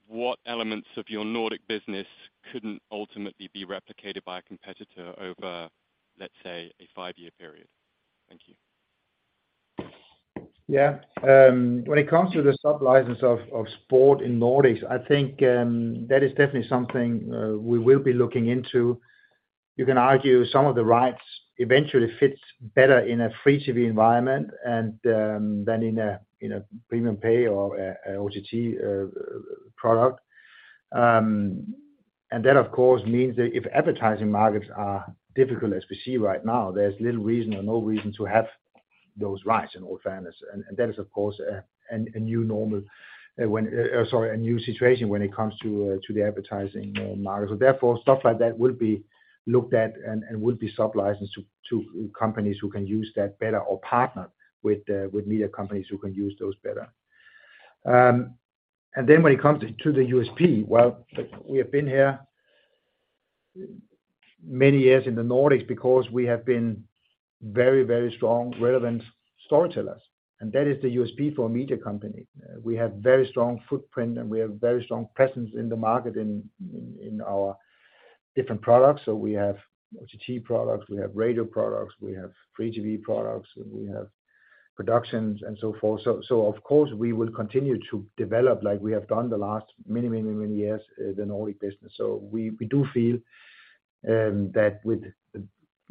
What elements of your Nordic business couldn't ultimately be replicated by a competitor over, let's say, a five-year period? Thank you. Yeah. When it comes to the sub-license of sport in Nordics, I think, that is definitely something we will be looking into. You can argue some of the rights eventually fits better in a free TV environment and than in a premium pay or a OTT product. That, of course, means that if advertising markets are difficult, as we see right now, there's little reason or no reason to have those rights, in all fairness. That is, of course, a new situation when it comes to the advertising market. Therefore, stuff like that will be looked at and will be sub-licensed to companies who can use that better or partner with media companies who can use those better. When it comes to the USP, well, we have been here many years in the Nordics because we have been very, very strong, relevant storytellers, and that is the USP for a media company. We have very strong footprint, and we have very strong presence in the market in our different products. We have OTT products, we have radio products, we have free TV products, and we have productions and so forth. Of course, we will continue to develop, like we have done the last many years, the Nordic business. We do feel that with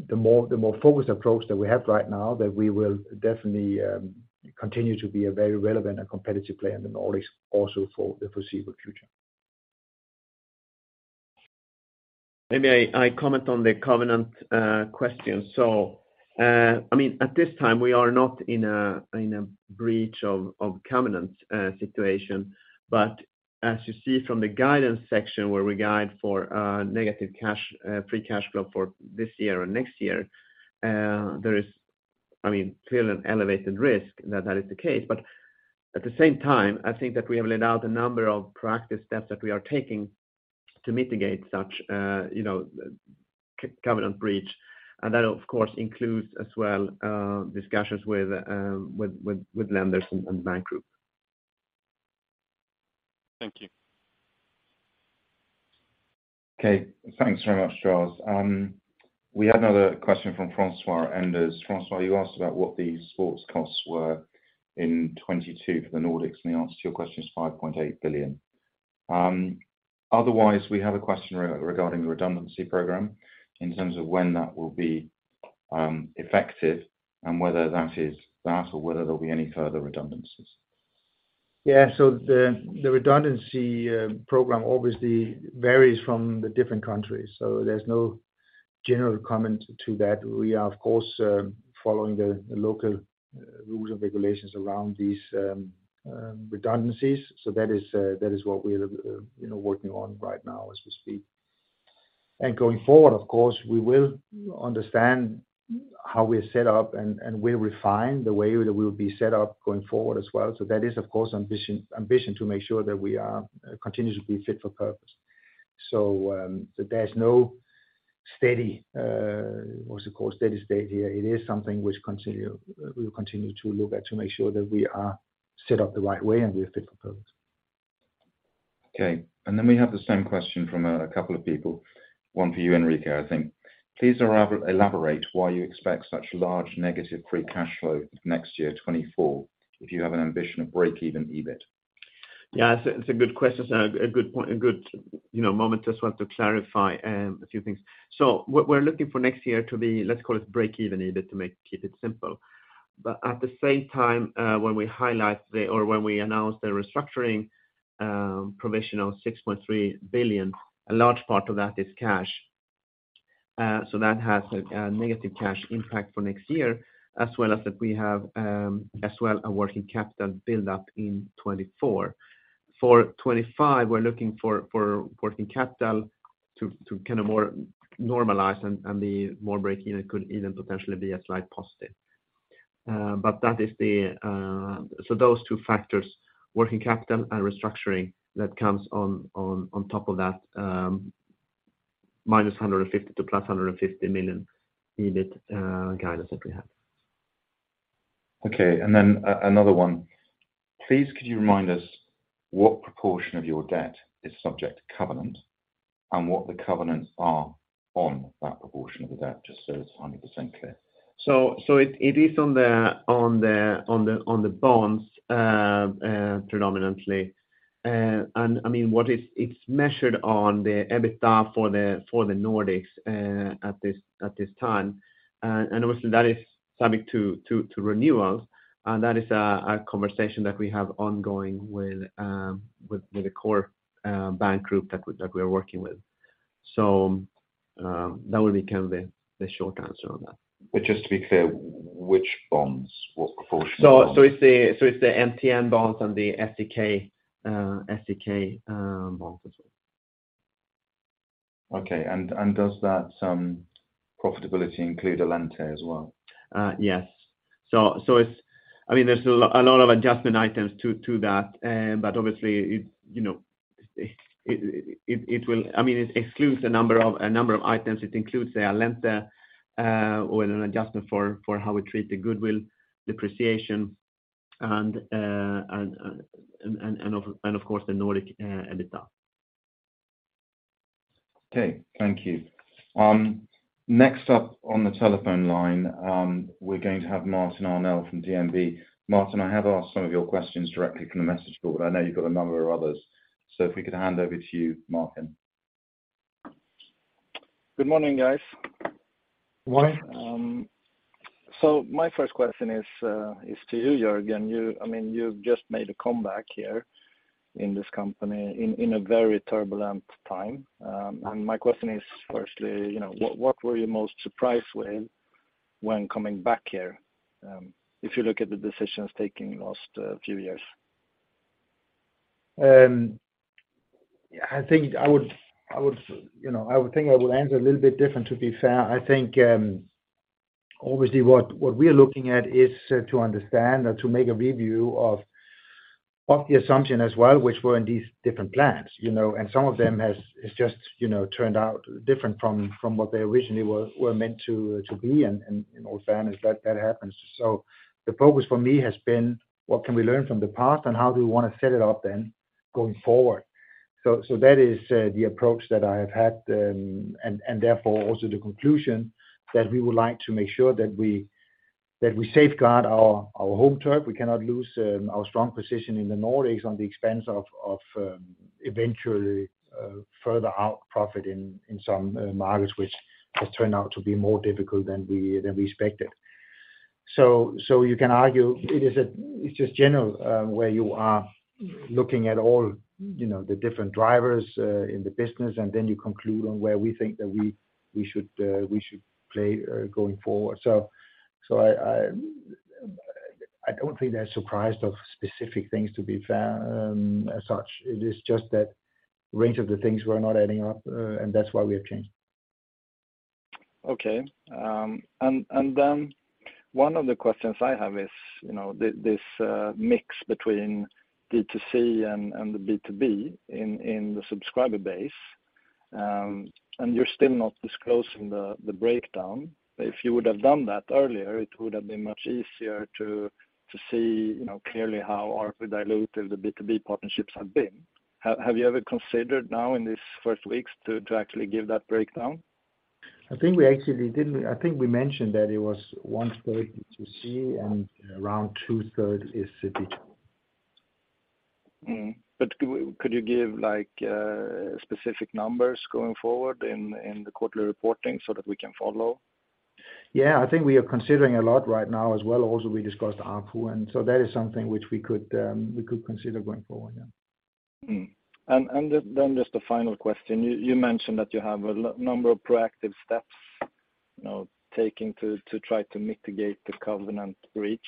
the more focused approach that we have right now, that we will definitely continue to be a very relevant and competitive player in the Nordics also for the foreseeable future. Maybe I comment on the covenant question. I mean, at this time, we are not in a breach of covenants situation. As you see from the guidance section, where we guide for negative cash free cash flow for this year and next year, there is, I mean, clearly an elevated risk that that is the case. At the same time, I think that we have laid out a number of proactive steps that we are taking to mitigate such, you know, covenant breach, and that, of course, includes as well, discussions with lenders and bank group. Thank you. Okay. Thanks very much, Giles. We had another question from François Enders. François, you asked about what the sports costs were in 2022 for the Nordics. The answer to your question is 5.8 billion. Otherwise, we have a question regarding the redundancy program, in terms of when that will be effective and whether that is that, or whether there'll be any further redundancies. Yeah. The, the redundancy program obviously varies from the different countries, so there's no general comment to that. We are, of course, following the local rules and regulations around these redundancies. That is, that is what we are, you know, working on right now, as we speak. Going forward, of course, we will understand how we're set up, and we'll refine the way that we'll be set up going forward as well. That is, of course, ambition to make sure that we are continuously fit for purpose. There's no steady, what's it called, steady state here. It is something which we'll continue to look at to make sure that we are set up the right way and we are fit for purpose. Okay, we have the same question from a couple of people. One for you, Enrique, I think. Please elaborate why you expect such large negative free cash flow next year, 2024, if you have an ambition of break even EBIT. Yeah, it's a good question, a good point, a good, you know, moment just want to clarify a few things. What we're looking for next year to be, let's call it break even EBIT, to make, keep it simple. At the same time, when we highlight the, or when we announce the restructuring provision of 6.3 billion, a large part of that is cash. That has a negative cash impact for next year, as well as that we have as well, a working capital build-up in 2024. For 2025, we're looking for working capital to kind of more normalize and be more break-even, could even potentially be a slight positive. Those two factors, working capital and restructuring, that comes on top of that. -150 million to +150 million EBIT, guidance that we have. Okay, another one. Please, could you remind us what proportion of your debt is subject to covenant, and what the covenants are on that proportion of the debt? Just so it's 100% clear. It is on the bonds predominantly. I mean, it's measured on the EBITDA for the Nordics at this time. And obviously, that is subject to renewals, and that is a conversation that we have ongoing with the core bank group that we are working with. That would be kind of the short answer on that. Just to be clear, which bonds, what proportion of bonds? It's the MTN bonds and the SEK, bonds as well. Okay. Does that profitability include Allente as well? Yes. I mean, there's a lot of adjustment items to that. Obviously, it, you know, it will. I mean, it excludes a number of items. It includes the Allente with an adjustment for how we treat the goodwill depreciation, and of course, the Nordic EBITDA. Okay, thank you. Next up on the telephone line, we're going to have Martin Arnell from DNB. Martin, I have asked some of your questions directly from the message board, but I know you've got a number of others. If we could hand over to you, Martin. Good morning, guys. Morning. My first question is to you,. You, I mean, you've just made a comeback here in this company in a very turbulent time. My question is, firstly, you know, what were you most surprised with when coming back here, if you look at the decisions taking last few years? I think I would, I would, you know, I would think I would answer a little bit different, to be fair. I think, obviously, what we are looking at is to understand or to make a review of the assumption as well, which were in these different plans, you know. Some of them has, is just, you know, turned out different from what they originally were meant to be. In all fairness, that happens. The focus for me has been, what can we learn from the past, and how do we wanna set it up then going forward? That is the approach that I have had, and therefore, also the conclusion that we would like to make sure that we safeguard our home turf. We cannot lose our strong position in the Nordics on the expense of eventually further out profit in some markets, which has turned out to be more difficult than we expected. You can argue it is it's just general where you are looking at all, you know, the different drivers in the business, and then you conclude on where we think that we should play going forward. I don't think they're surprised of specific things, to be fair, as such. It is just that range of the things were not adding up and that's why we have changed. Okay. Then one of the questions I have is, you know, this mix between D2C and the B2B in the subscriber base, you're still not disclosing the breakdown. If you would have done that earlier, it would have been much easier to see, you know, clearly how or diluted the B2B partnerships have been. Have you ever considered now in these first weeks to actually give that breakdown? I think we actually did. I think we mentioned that it was 1/3 D2C and around 2/3 is B2B. Could you give, like, specific numbers going forward in the quarterly reporting so that we can follow? Yeah, I think we are considering a lot right now as well. Also, we discussed ARPU, and so that is something which we could, we could consider going forward, yeah. Mm. Then just a final question. You mentioned that you have a number of proactive steps, you know, taking to try to mitigate the covenant breach.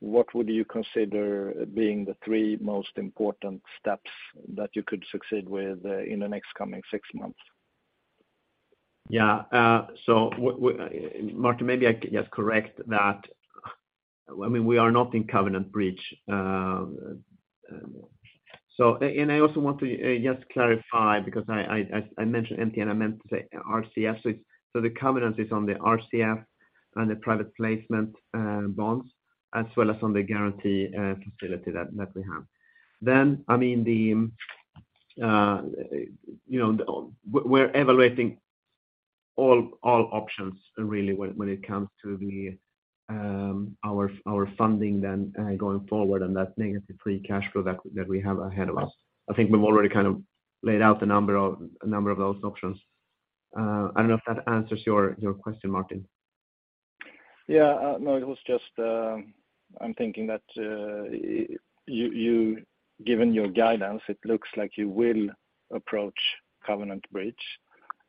What would you consider being the three most important steps that you could succeed with in the next coming 6 months? Martin, maybe I just correct that. I mean, we are not in covenant breach. And I also want to just clarify, because I mentioned MTN, I meant to say RCF. The covenant is on the RCF and the private placement bonds, as well as on the guarantee facility that we have. I mean, you know, we're evaluating all options really, when it comes to our funding then, going forward, and that negative free cash flow that we have ahead of us. I think we've already kind of laid out a number of those options. I don't know if that answers your question, Martin. Yeah. No, it was just I'm thinking that you given your guidance, it looks like you will approach covenant breach.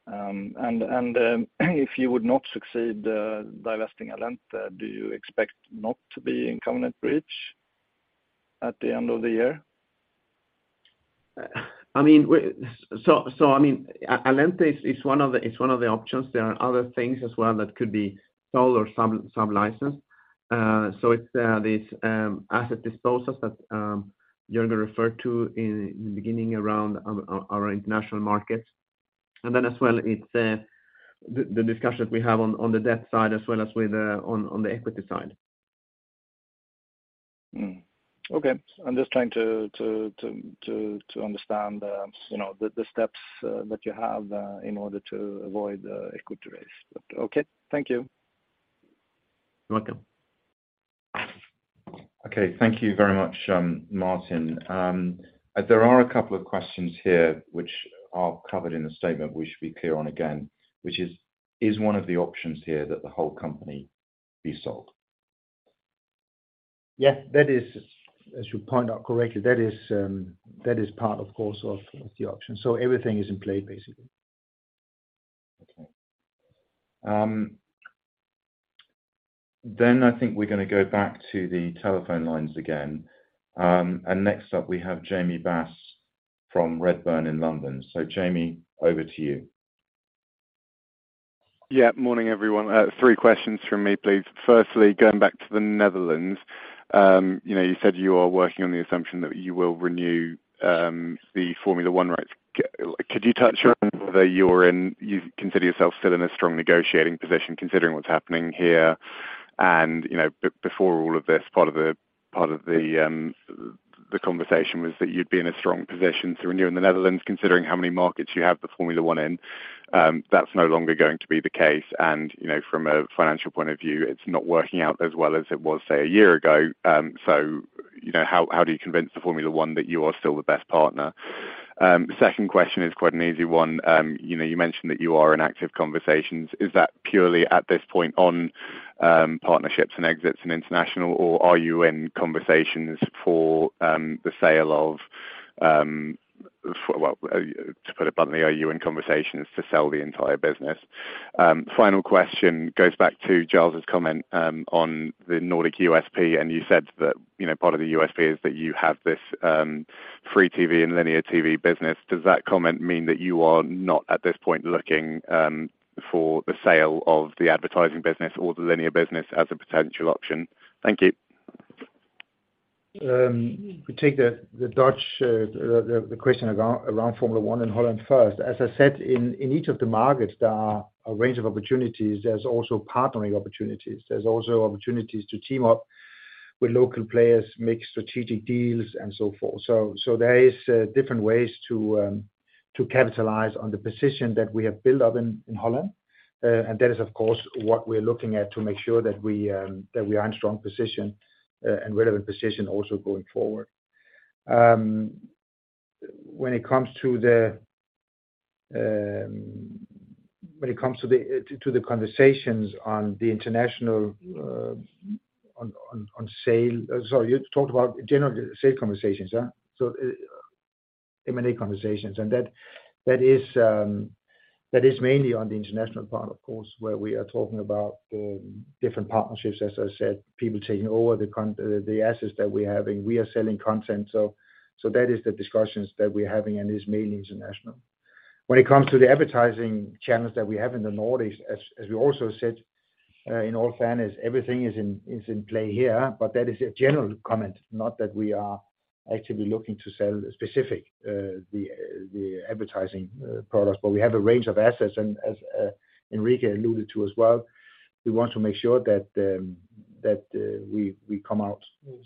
If you would not succeed divesting Allente, do you expect not to be in covenant breach at the end of the year? I mean, we so I mean, Allente is one of the options. There are other things as well that could be sold or sub-licensed. It's this asset disposals that Jørgen referred to in the beginning around our international markets. Then as well, it's the discussion we have on the debt side as well as with on the equity side. Mm. Okay. I'm just trying to understand, you know, the steps that you have in order to avoid equity raise. Okay. Thank you. You're welcome. Okay. Thank you very much, Martin. There are a couple of questions here which are covered in the statement we should be clear on again, which is one of the options here that the whole company be sold? Yeah, that is, as you point out correctly, that is part, of course, of the option. Everything is in play, basically. Okay. I think we're gonna go back to the telephone lines again. Next up, we have Jamie Bass from Redburn in London. Jamie, over to you. Yeah. Morning, everyone. Three questions from me, please. Firstly, going back to the Netherlands, you know, you said you are working on the assumption that you will renew the Formula 1 rights. Could you touch on whether you consider yourself still in a strong negotiating position, considering what's happening here? You know, before all of this, part of the conversation was that you'd be in a strong position to renew in the Netherlands, considering how many markets you have the Formula 1 in. That's no longer going to be the case, you know, from a financial point of view, it's not working out as well as it was, say, a year ago. You know, how do you convince the Formula 1 that you are still the best partner? Second question is quite an easy one. You know, you mentioned that you are in active conversations. Is that purely at this point on partnerships and exits and international, or are you in conversations for the sale of, to put it bluntly, are you in conversations to sell the entire business? Final question goes back to Charles's comment on the Nordic USP, and you said that, you know, part of the USP is that you have this free TV and linear TV business. Does that comment mean that you are not, at this point, looking for the sale of the advertising business or the linear business as a potential option? Thank you. We take the Dutch the question around Formula 1 in Holland first. As I said, in each of the markets, there are a range of opportunities. There's also partnering opportunities. There's also opportunities to team up with local players, make strategic deals, and so forth. There is different ways to capitalize on the position that we have built up in Holland. That is, of course, what we're looking at to make sure that we are in strong position and relevant position also going forward. When it comes to the conversations on the international on sale. Sorry, you talked about general sale conversations, yeah? M&A conversations, and that is, that is mainly on the international part, of course, where we are talking about different partnerships, as I said, people taking over the assets that we have, and we are selling content. That is the discussions that we're having, and it's mainly international. When it comes to the advertising channels that we have in the Nordics, as we also said, in all fairness, everything is in, is in play here. That is a general comment, not that we are actually looking to sell specific, the advertising products. We have a range of assets, and as Enrique alluded to as well, we want to make sure that we come out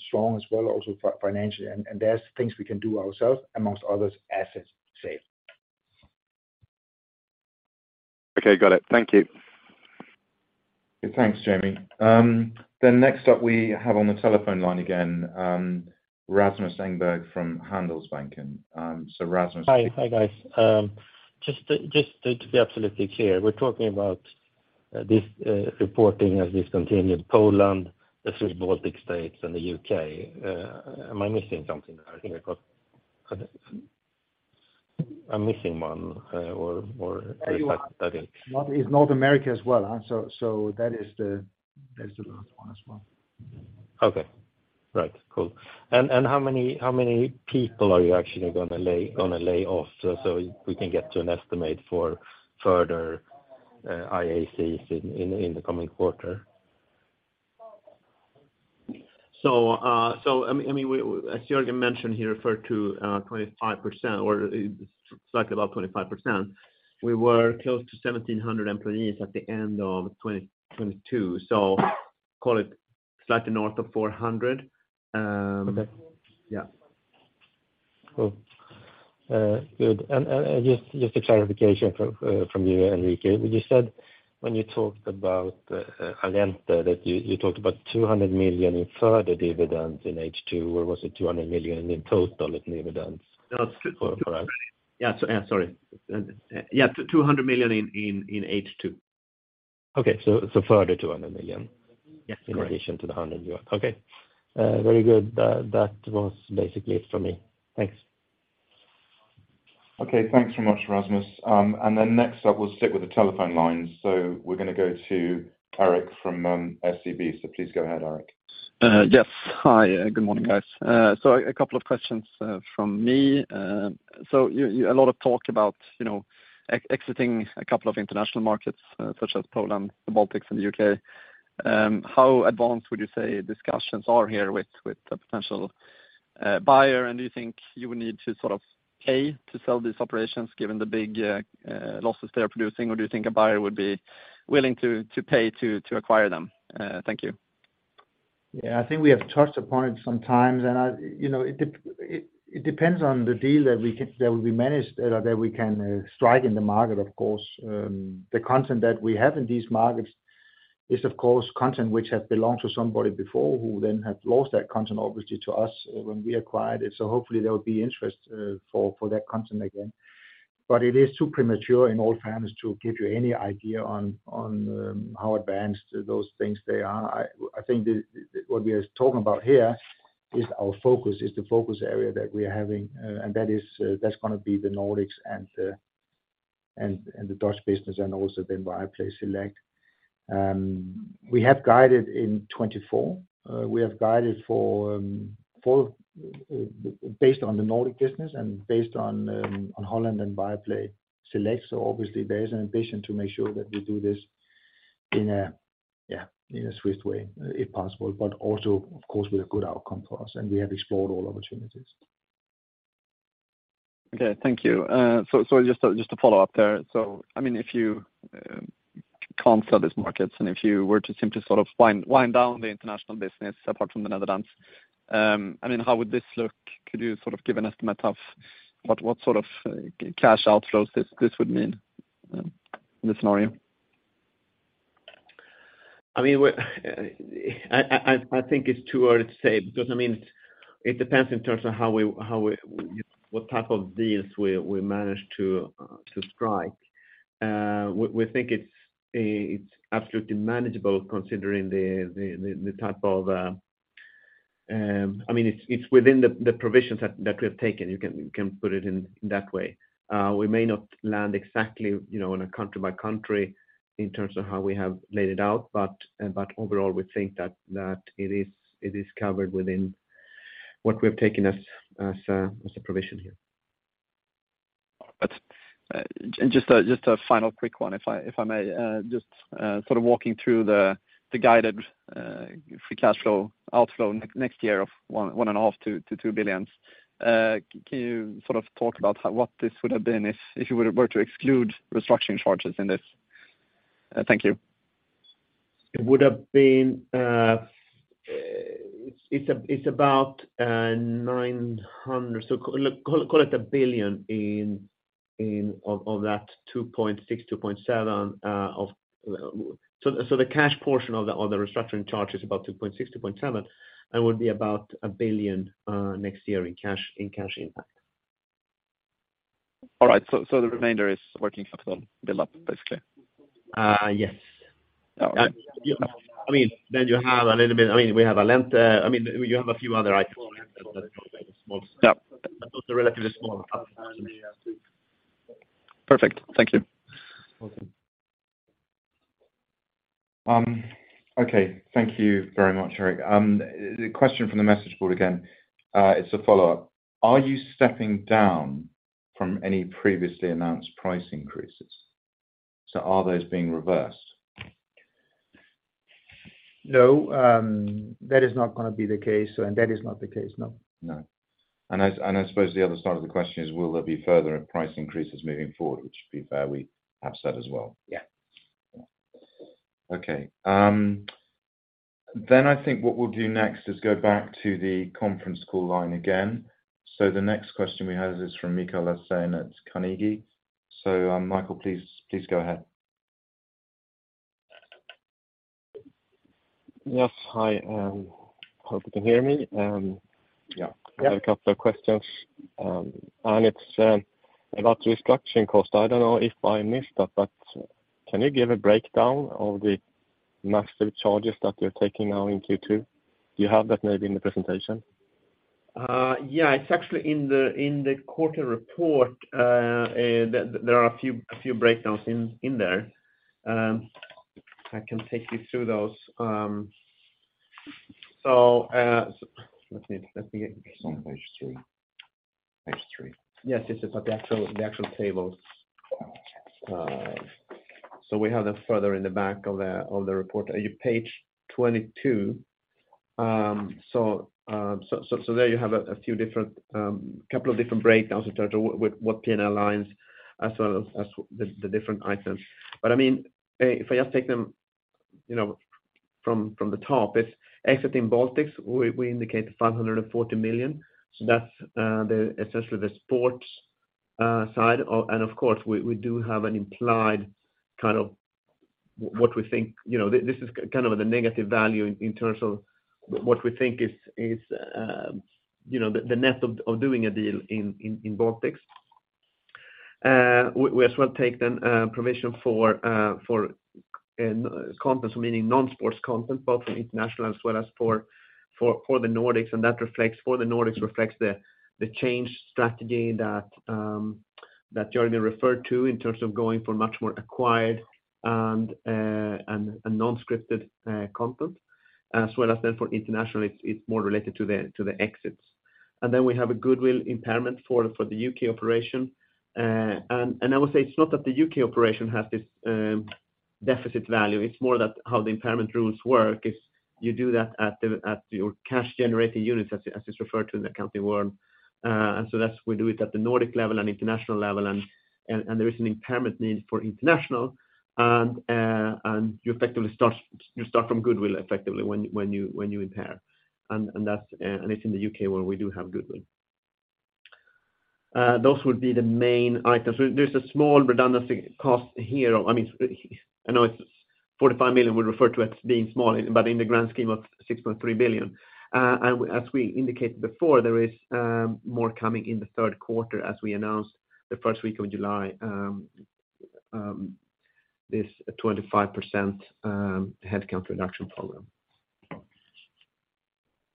strong as well, also financially. There's things we can do ourselves, among others, asset sale. Okay. Got it. Thank you. Thanks, Jamie. next up, we have on the telephone line again, Rasmus Engberg from Handelsbanken. Hi. Hi, guys. Just to be absolutely clear, we're talking about this reporting as discontinued Poland, the three Baltic states, and the U.K.. Am I missing something there? I think I'm missing one, or- There you are. I think. One is North America as well, that's the last one as well. Okay. Right. Cool. How many people are you actually gonna lay off so we can get to an estimate for further IAC in the coming quarter? I mean, we, as Jørgen mentioned, he referred to, 25%, or slightly above 25%. We were close to 1,700 employees at the end of 2022, so call it slightly north of 400. Okay. Yeah. Cool. Good. Just a clarification from you, Enrique. You said when you talked about, Allente, that you talked about 200 million in further dividends in H2, or was it 200 million in total dividends? Yeah. For us. Yeah, sorry. Yeah, 200 million in H2. Okay, further 200 million? Yes, correct. In addition to the 100 you. Okay. very good. That was basically it for me. Thanks. Okay, thanks so much, Rasmus. next up, we'll stick with the telephone lines. We're gonna go to Eric from, SEB. Please go ahead, Eric. Yes. Hi, good morning, guys. A couple of questions from me. You a lot of talk about, you know, exiting a couple of international markets, such as Poland, the Baltics, and the U.K.. How advanced would you say discussions are here with the potential buyer? Do you think you will need to sort of pay to sell these operations, given the big losses they are producing, or do you think a buyer would be willing to pay to acquire them? Thank you. Yeah, I think we have touched upon it sometimes, and I, you know, it depends on the deal that we can, that we manage, that we can strike in the market, of course. The content that we have in these markets is, of course, content which has belonged to somebody before, who then have lost that content, obviously, to us when we acquired it. Hopefully there will be interest for that content again. It is too premature in all times to give you any idea on how advanced those things they are. What we are talking about here is our focus, is the focus area that we are having, and that is, that's gonna be the Nordics and the, and the Dutch business and also Viaplay Select. We have guided in 2024, we have guided for, based on the Nordic business and based on Holland and Viaplay Select. Obviously there is an ambition to make sure that we do this in a swift way, if possible, but also, of course, with a good outcome for us. We have explored all opportunities. Okay. Thank you. Just to follow up there. I mean, if you can't sell these markets, and if you were to simply sort of wind down the international business, apart from the Netherlands, I mean, how would this look? Could you sort of give an estimate of what sort of cash outflows this would mean in this scenario? I mean, we're, I think it's too early to say, because, I mean, it depends in terms of how we, what type of deals we manage to strike. We think it's absolutely manageable, considering the type of, I mean, it's within the provisions that we have taken. You can put it in that way. We may not land exactly, you know, on a country by country in terms of how we have laid it out, but overall, we think that it is covered within what we have taken as a provision here. Just a final quick one, if I may. Just sort of walking through the guided free cash flow outflow next year of 1.5 billions-2 billions. Can you sort of talk about what this would have been if you were to exclude restructuring charges in this? Thank you. It would have been, it's about 900 million, so call it 1 billion in of that 2.6 billion-2.7 billion of. The cash portion of the restructuring charge is about 2.6 billion-2.7 billion, and would be about 1 billion next year in cash impact. All right, the remainder is working capital build up, basically? Yes. All right. I mean, I mean, we have Allente, I mean, you have a few other items that are small. Yeah. Those are relatively small. Perfect. Thank you. Welcome. Okay. Thank you very much, Eric. The question from the message board again, it's a follow-up: Are you stepping down from any previously announced price increases? Are those being reversed? No, that is not gonna be the case, and that is not the case, no. No. I suppose the other side of the question is, will there be further price increases moving forward, which would be fair, we have said as well? Yeah. Okay. Then I think what we'll do next is go back to the conference call line again. The next question we have is from Mikael Laséen at Carnegie. Mikael, please go ahead. Yes. Hi, hope you can hear me? Yeah. I have a couple of questions. It's about restructuring costs. I don't know if I missed that. Can you give a breakdown of the massive charges that you're taking now in Q2? Do you have that maybe in the presentation? Yeah, it's actually in the, in the quarter report. There, there are a few, a few breakdowns in there. I can take you through those. Let me. It's on page three. Page three. It's about the actual, the actual tables. We have that further in the back of the report. Are you page 22? There you have a few different, couple of different breakdowns in terms of what PNL lines, as well as the different items. I mean, if I just take them, you know, from the top, it's exiting Baltics, we indicate 540 million. That's the essentially the sports side. Of course, we do have an implied kind of what we think, you know, this is kind of the negative value in terms of what we think is the net of doing a deal in Baltics. We, we as well take then provision for for content, meaning non-sports content, both international as well as for the Nordics. That reflects for the Nordics, reflects the change strategy that Jørgen referred to in terms of going for much more acquired and non-scripted content, as well as then for international, it's more related to the exits. Then we have a goodwill impairment for the U.K. operation. I would say it's not that the U.K. operation has this deficit value, it's more that how the impairment rules work, is you do that at your cash generating units, as it's referred to in the accounting world. That's. We do it at the Nordic level and international level. There is an impairment need for international. You effectively start from goodwill effectively when you impair. That's and it's in the U.K. where we do have goodwill. Those would be the main items. There's a small redundancy cost here. I mean, I know it's 45 million we refer to as being small, but in the grand scheme of 6.3 billion. As we indicated before, there is more coming in the third quarter as we announced the first week of July, this 25% headcount reduction program.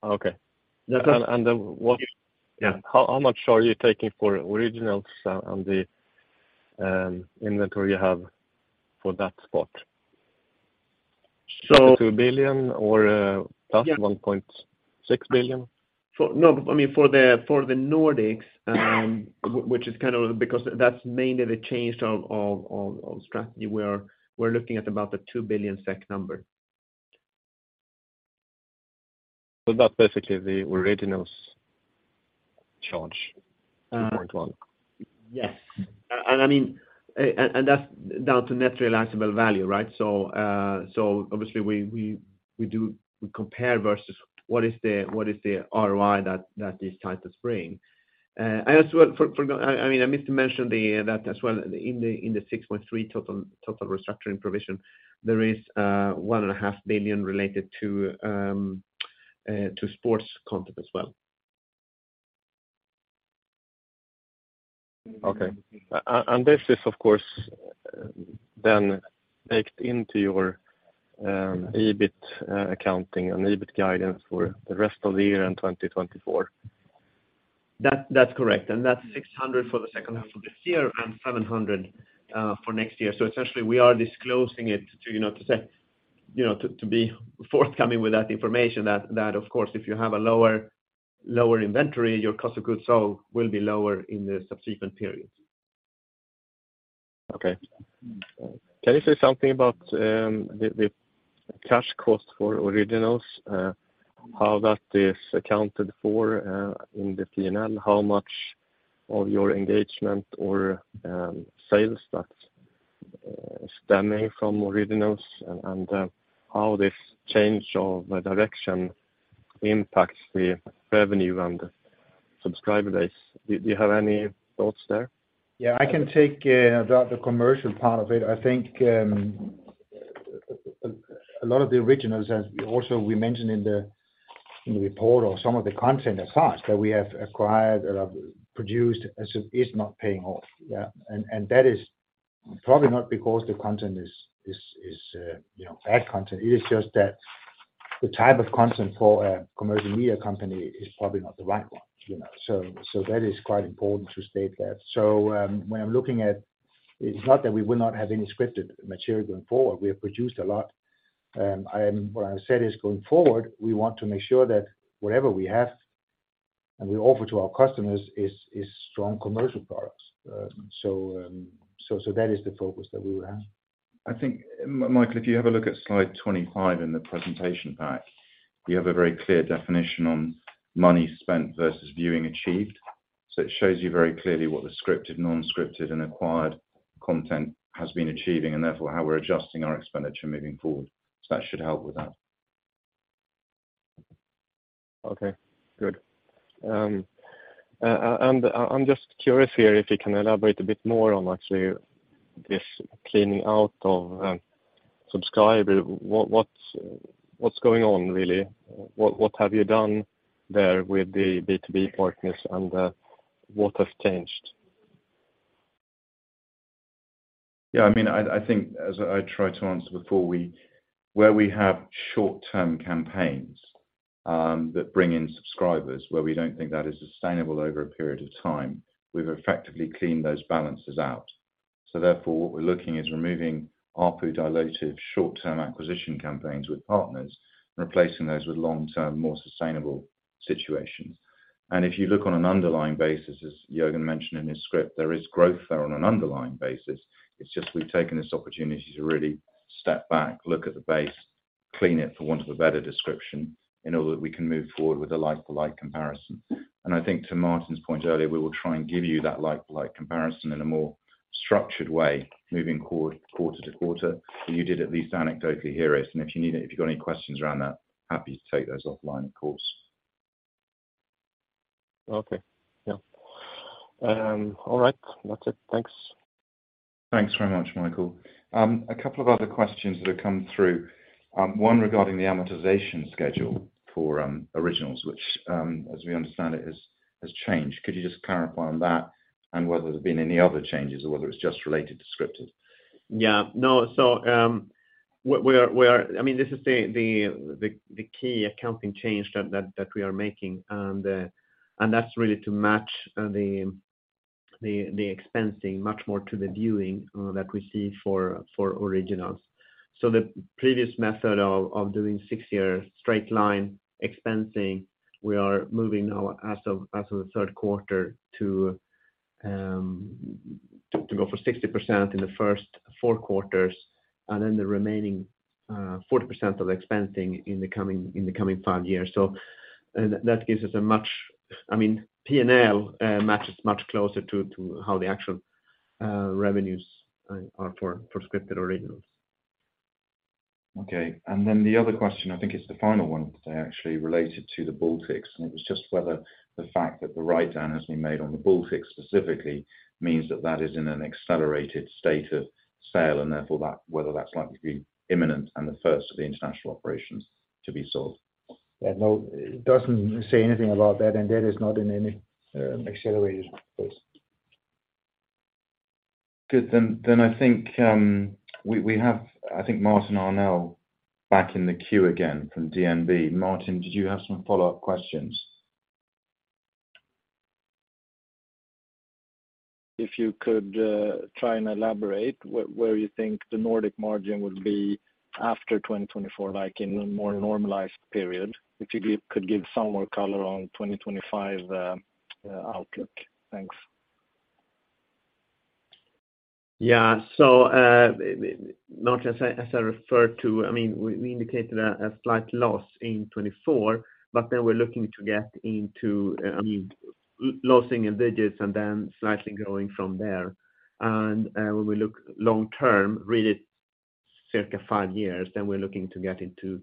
Okay. Then what- Yeah. How much are you taking for originals on the inventory you have for that spot? So- 2 billion or- Yeah 1.6 billion? No, I mean, for the Nordics, which is kind of, because that's mainly the change of strategy, we're looking at about the 2 billion SEK number. That's basically the originals charge, SEK 2.1 billion? Yes. I mean, that's down to net realizable value, right? Obviously we do compare versus what is the ROI that this title is bringing. And as well for, I mean, I missed to mention that as well, in the 6.3 total restructuring provision, there is 1.5 billion related to sports content as well. Okay. This is, of course, then baked into your EBIT accounting and EBIT guidance for the rest of the year and 2024? That's correct, and that's 600 million for the second half of this year and 700 million for next year. Essentially, we are disclosing it to, you know, to say, you know, to be forthcoming with that information, that of course, if you have a lower inventory, your cost of goods sold will be lower in the subsequent periods. Okay. Can you say something about the cash cost for originals, how that is accounted for in the P&L? How much of your engagement or sales that's stemming from originals, and how this change of the direction impacts the revenue and the subscriber base? Do you have any thoughts there? I can take about the commercial part of it. I think a lot of the originals, as also we mentioned in the report or some of the content aside, that we have acquired or have produced, is not paying off. That is probably not because the content is, you know, bad content. It is just that the type of content for a commercial media company is probably not the right one, you know? That is quite important to state that. It's not that we will not have any scripted material going forward. We have produced a lot. What I said is, going forward, we want to make sure that whatever we have and we offer to our customers is strong commercial products. That is the focus that we will have. I think, Michael, if you have a look at slide 25 in the presentation pack, you have a very clear definition on money spent versus viewing achieved. It shows you very clearly what the scripted, non-scripted, and acquired content has been achieving, and therefore, how we're adjusting our expenditure moving forward. That should help with that. Okay, good. I'm just curious here, if you can elaborate a bit more on actually this cleaning out of subscriber. What's going on, really? What have you done there with the B2B partners, and what has changed? Yeah, I mean, I think as I tried to answer before, where we have short-term campaigns that bring in subscribers, where we don't think that is sustainable over a period of time, we've effectively cleaned those balances out. Therefore, what we're looking is removing ARPU dilative short-term acquisition campaigns with partners, and replacing those with long-term, more sustainable situations. If you look on an underlying basis, as Jørgen mentioned in his script, there is growth there on an underlying basis. It's just we've taken this opportunity to really step back, look at the base, clean it, for want of a better description, in order that we can move forward with a like-for-like comparison. I think to Martin's point earlier, we will try and give you that like-for-like comparison in a more structured way, moving quarter-over-quarter. You did at least anecdotally hear it, and if you need it, if you've got any questions around that, happy to take those offline, of course. Okay, yeah. All right. That's it. Thanks. Thanks very much, Michael. A couple of other questions that have come through, one regarding the amortization schedule for originals, which, as we understand it, has changed. Could you just clarify on that, and whether there have been any other changes, or whether it's just related to scripted? No, we are, I mean, this is the key accounting change that we are making, and that's really to match the expensing much more to the viewing that we see for originals. The previous method of doing six-year straight line expensing, we are moving now as of the third quarter to go for 60% in the first four quarters, and then the remaining 40% of expensing in the coming five years. And that gives us a much— I mean, P&L matches much closer to how the actual revenues are for scripted originals. Okay. Then the other question, I think it's the final one today, actually, related to the Baltics, and it was just whether the fact that the writedown has been made on the Baltics specifically, means that that is in an accelerated state of sale, and therefore, that whether that's likely to be imminent and the first of the international operations to be sold. Yeah, no, it doesn't say anything about that. That is not in any accelerated space. Good. then I think, we have, I think, Martin Arnell back in the queue again from DNB. Martin, did you have some follow-up questions? If you could, try and elaborate where you think the Nordic margin would be after 2024, like in a more normalized period, if you could give some more color on 2025 outlook? Thanks. Martin, as I referred to, I mean, we indicated a slight loss in 2024, but then we're looking to get into, I mean, losing in digits and then slightly growing from there. When we look long term, really circa five years, then we're looking to get into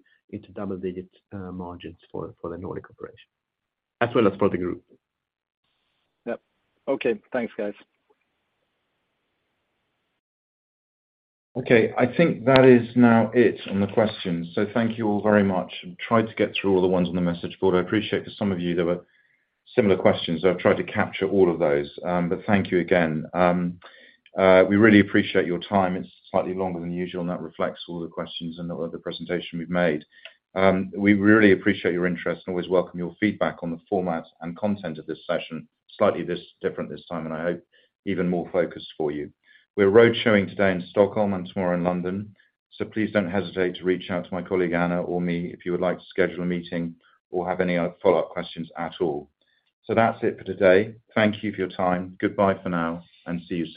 double digits, margins for the Nordic operation, as well as for the group. Yep. Okay, thanks, guys. Okay, I think that is now it on the questions. Thank you all very much, tried to get through all the ones on the message board. I appreciate for some of you, there were similar questions. I've tried to capture all of those. Thank you again. We really appreciate your time. It's slightly longer than usual, that reflects all the questions and all of the presentation we've made. We really appreciate your interest and always welcome your feedback on the format and content of this session. Slightly different this time, I hope even more focused for you. We're roadshowing today in Stockholm and tomorrow in London, please don't hesitate to reach out to my colleague, Anna or me, if you would like to schedule a meeting or have any other follow-up questions at all. That's it for today. Thank you for your time. Goodbye for now, and see you soon.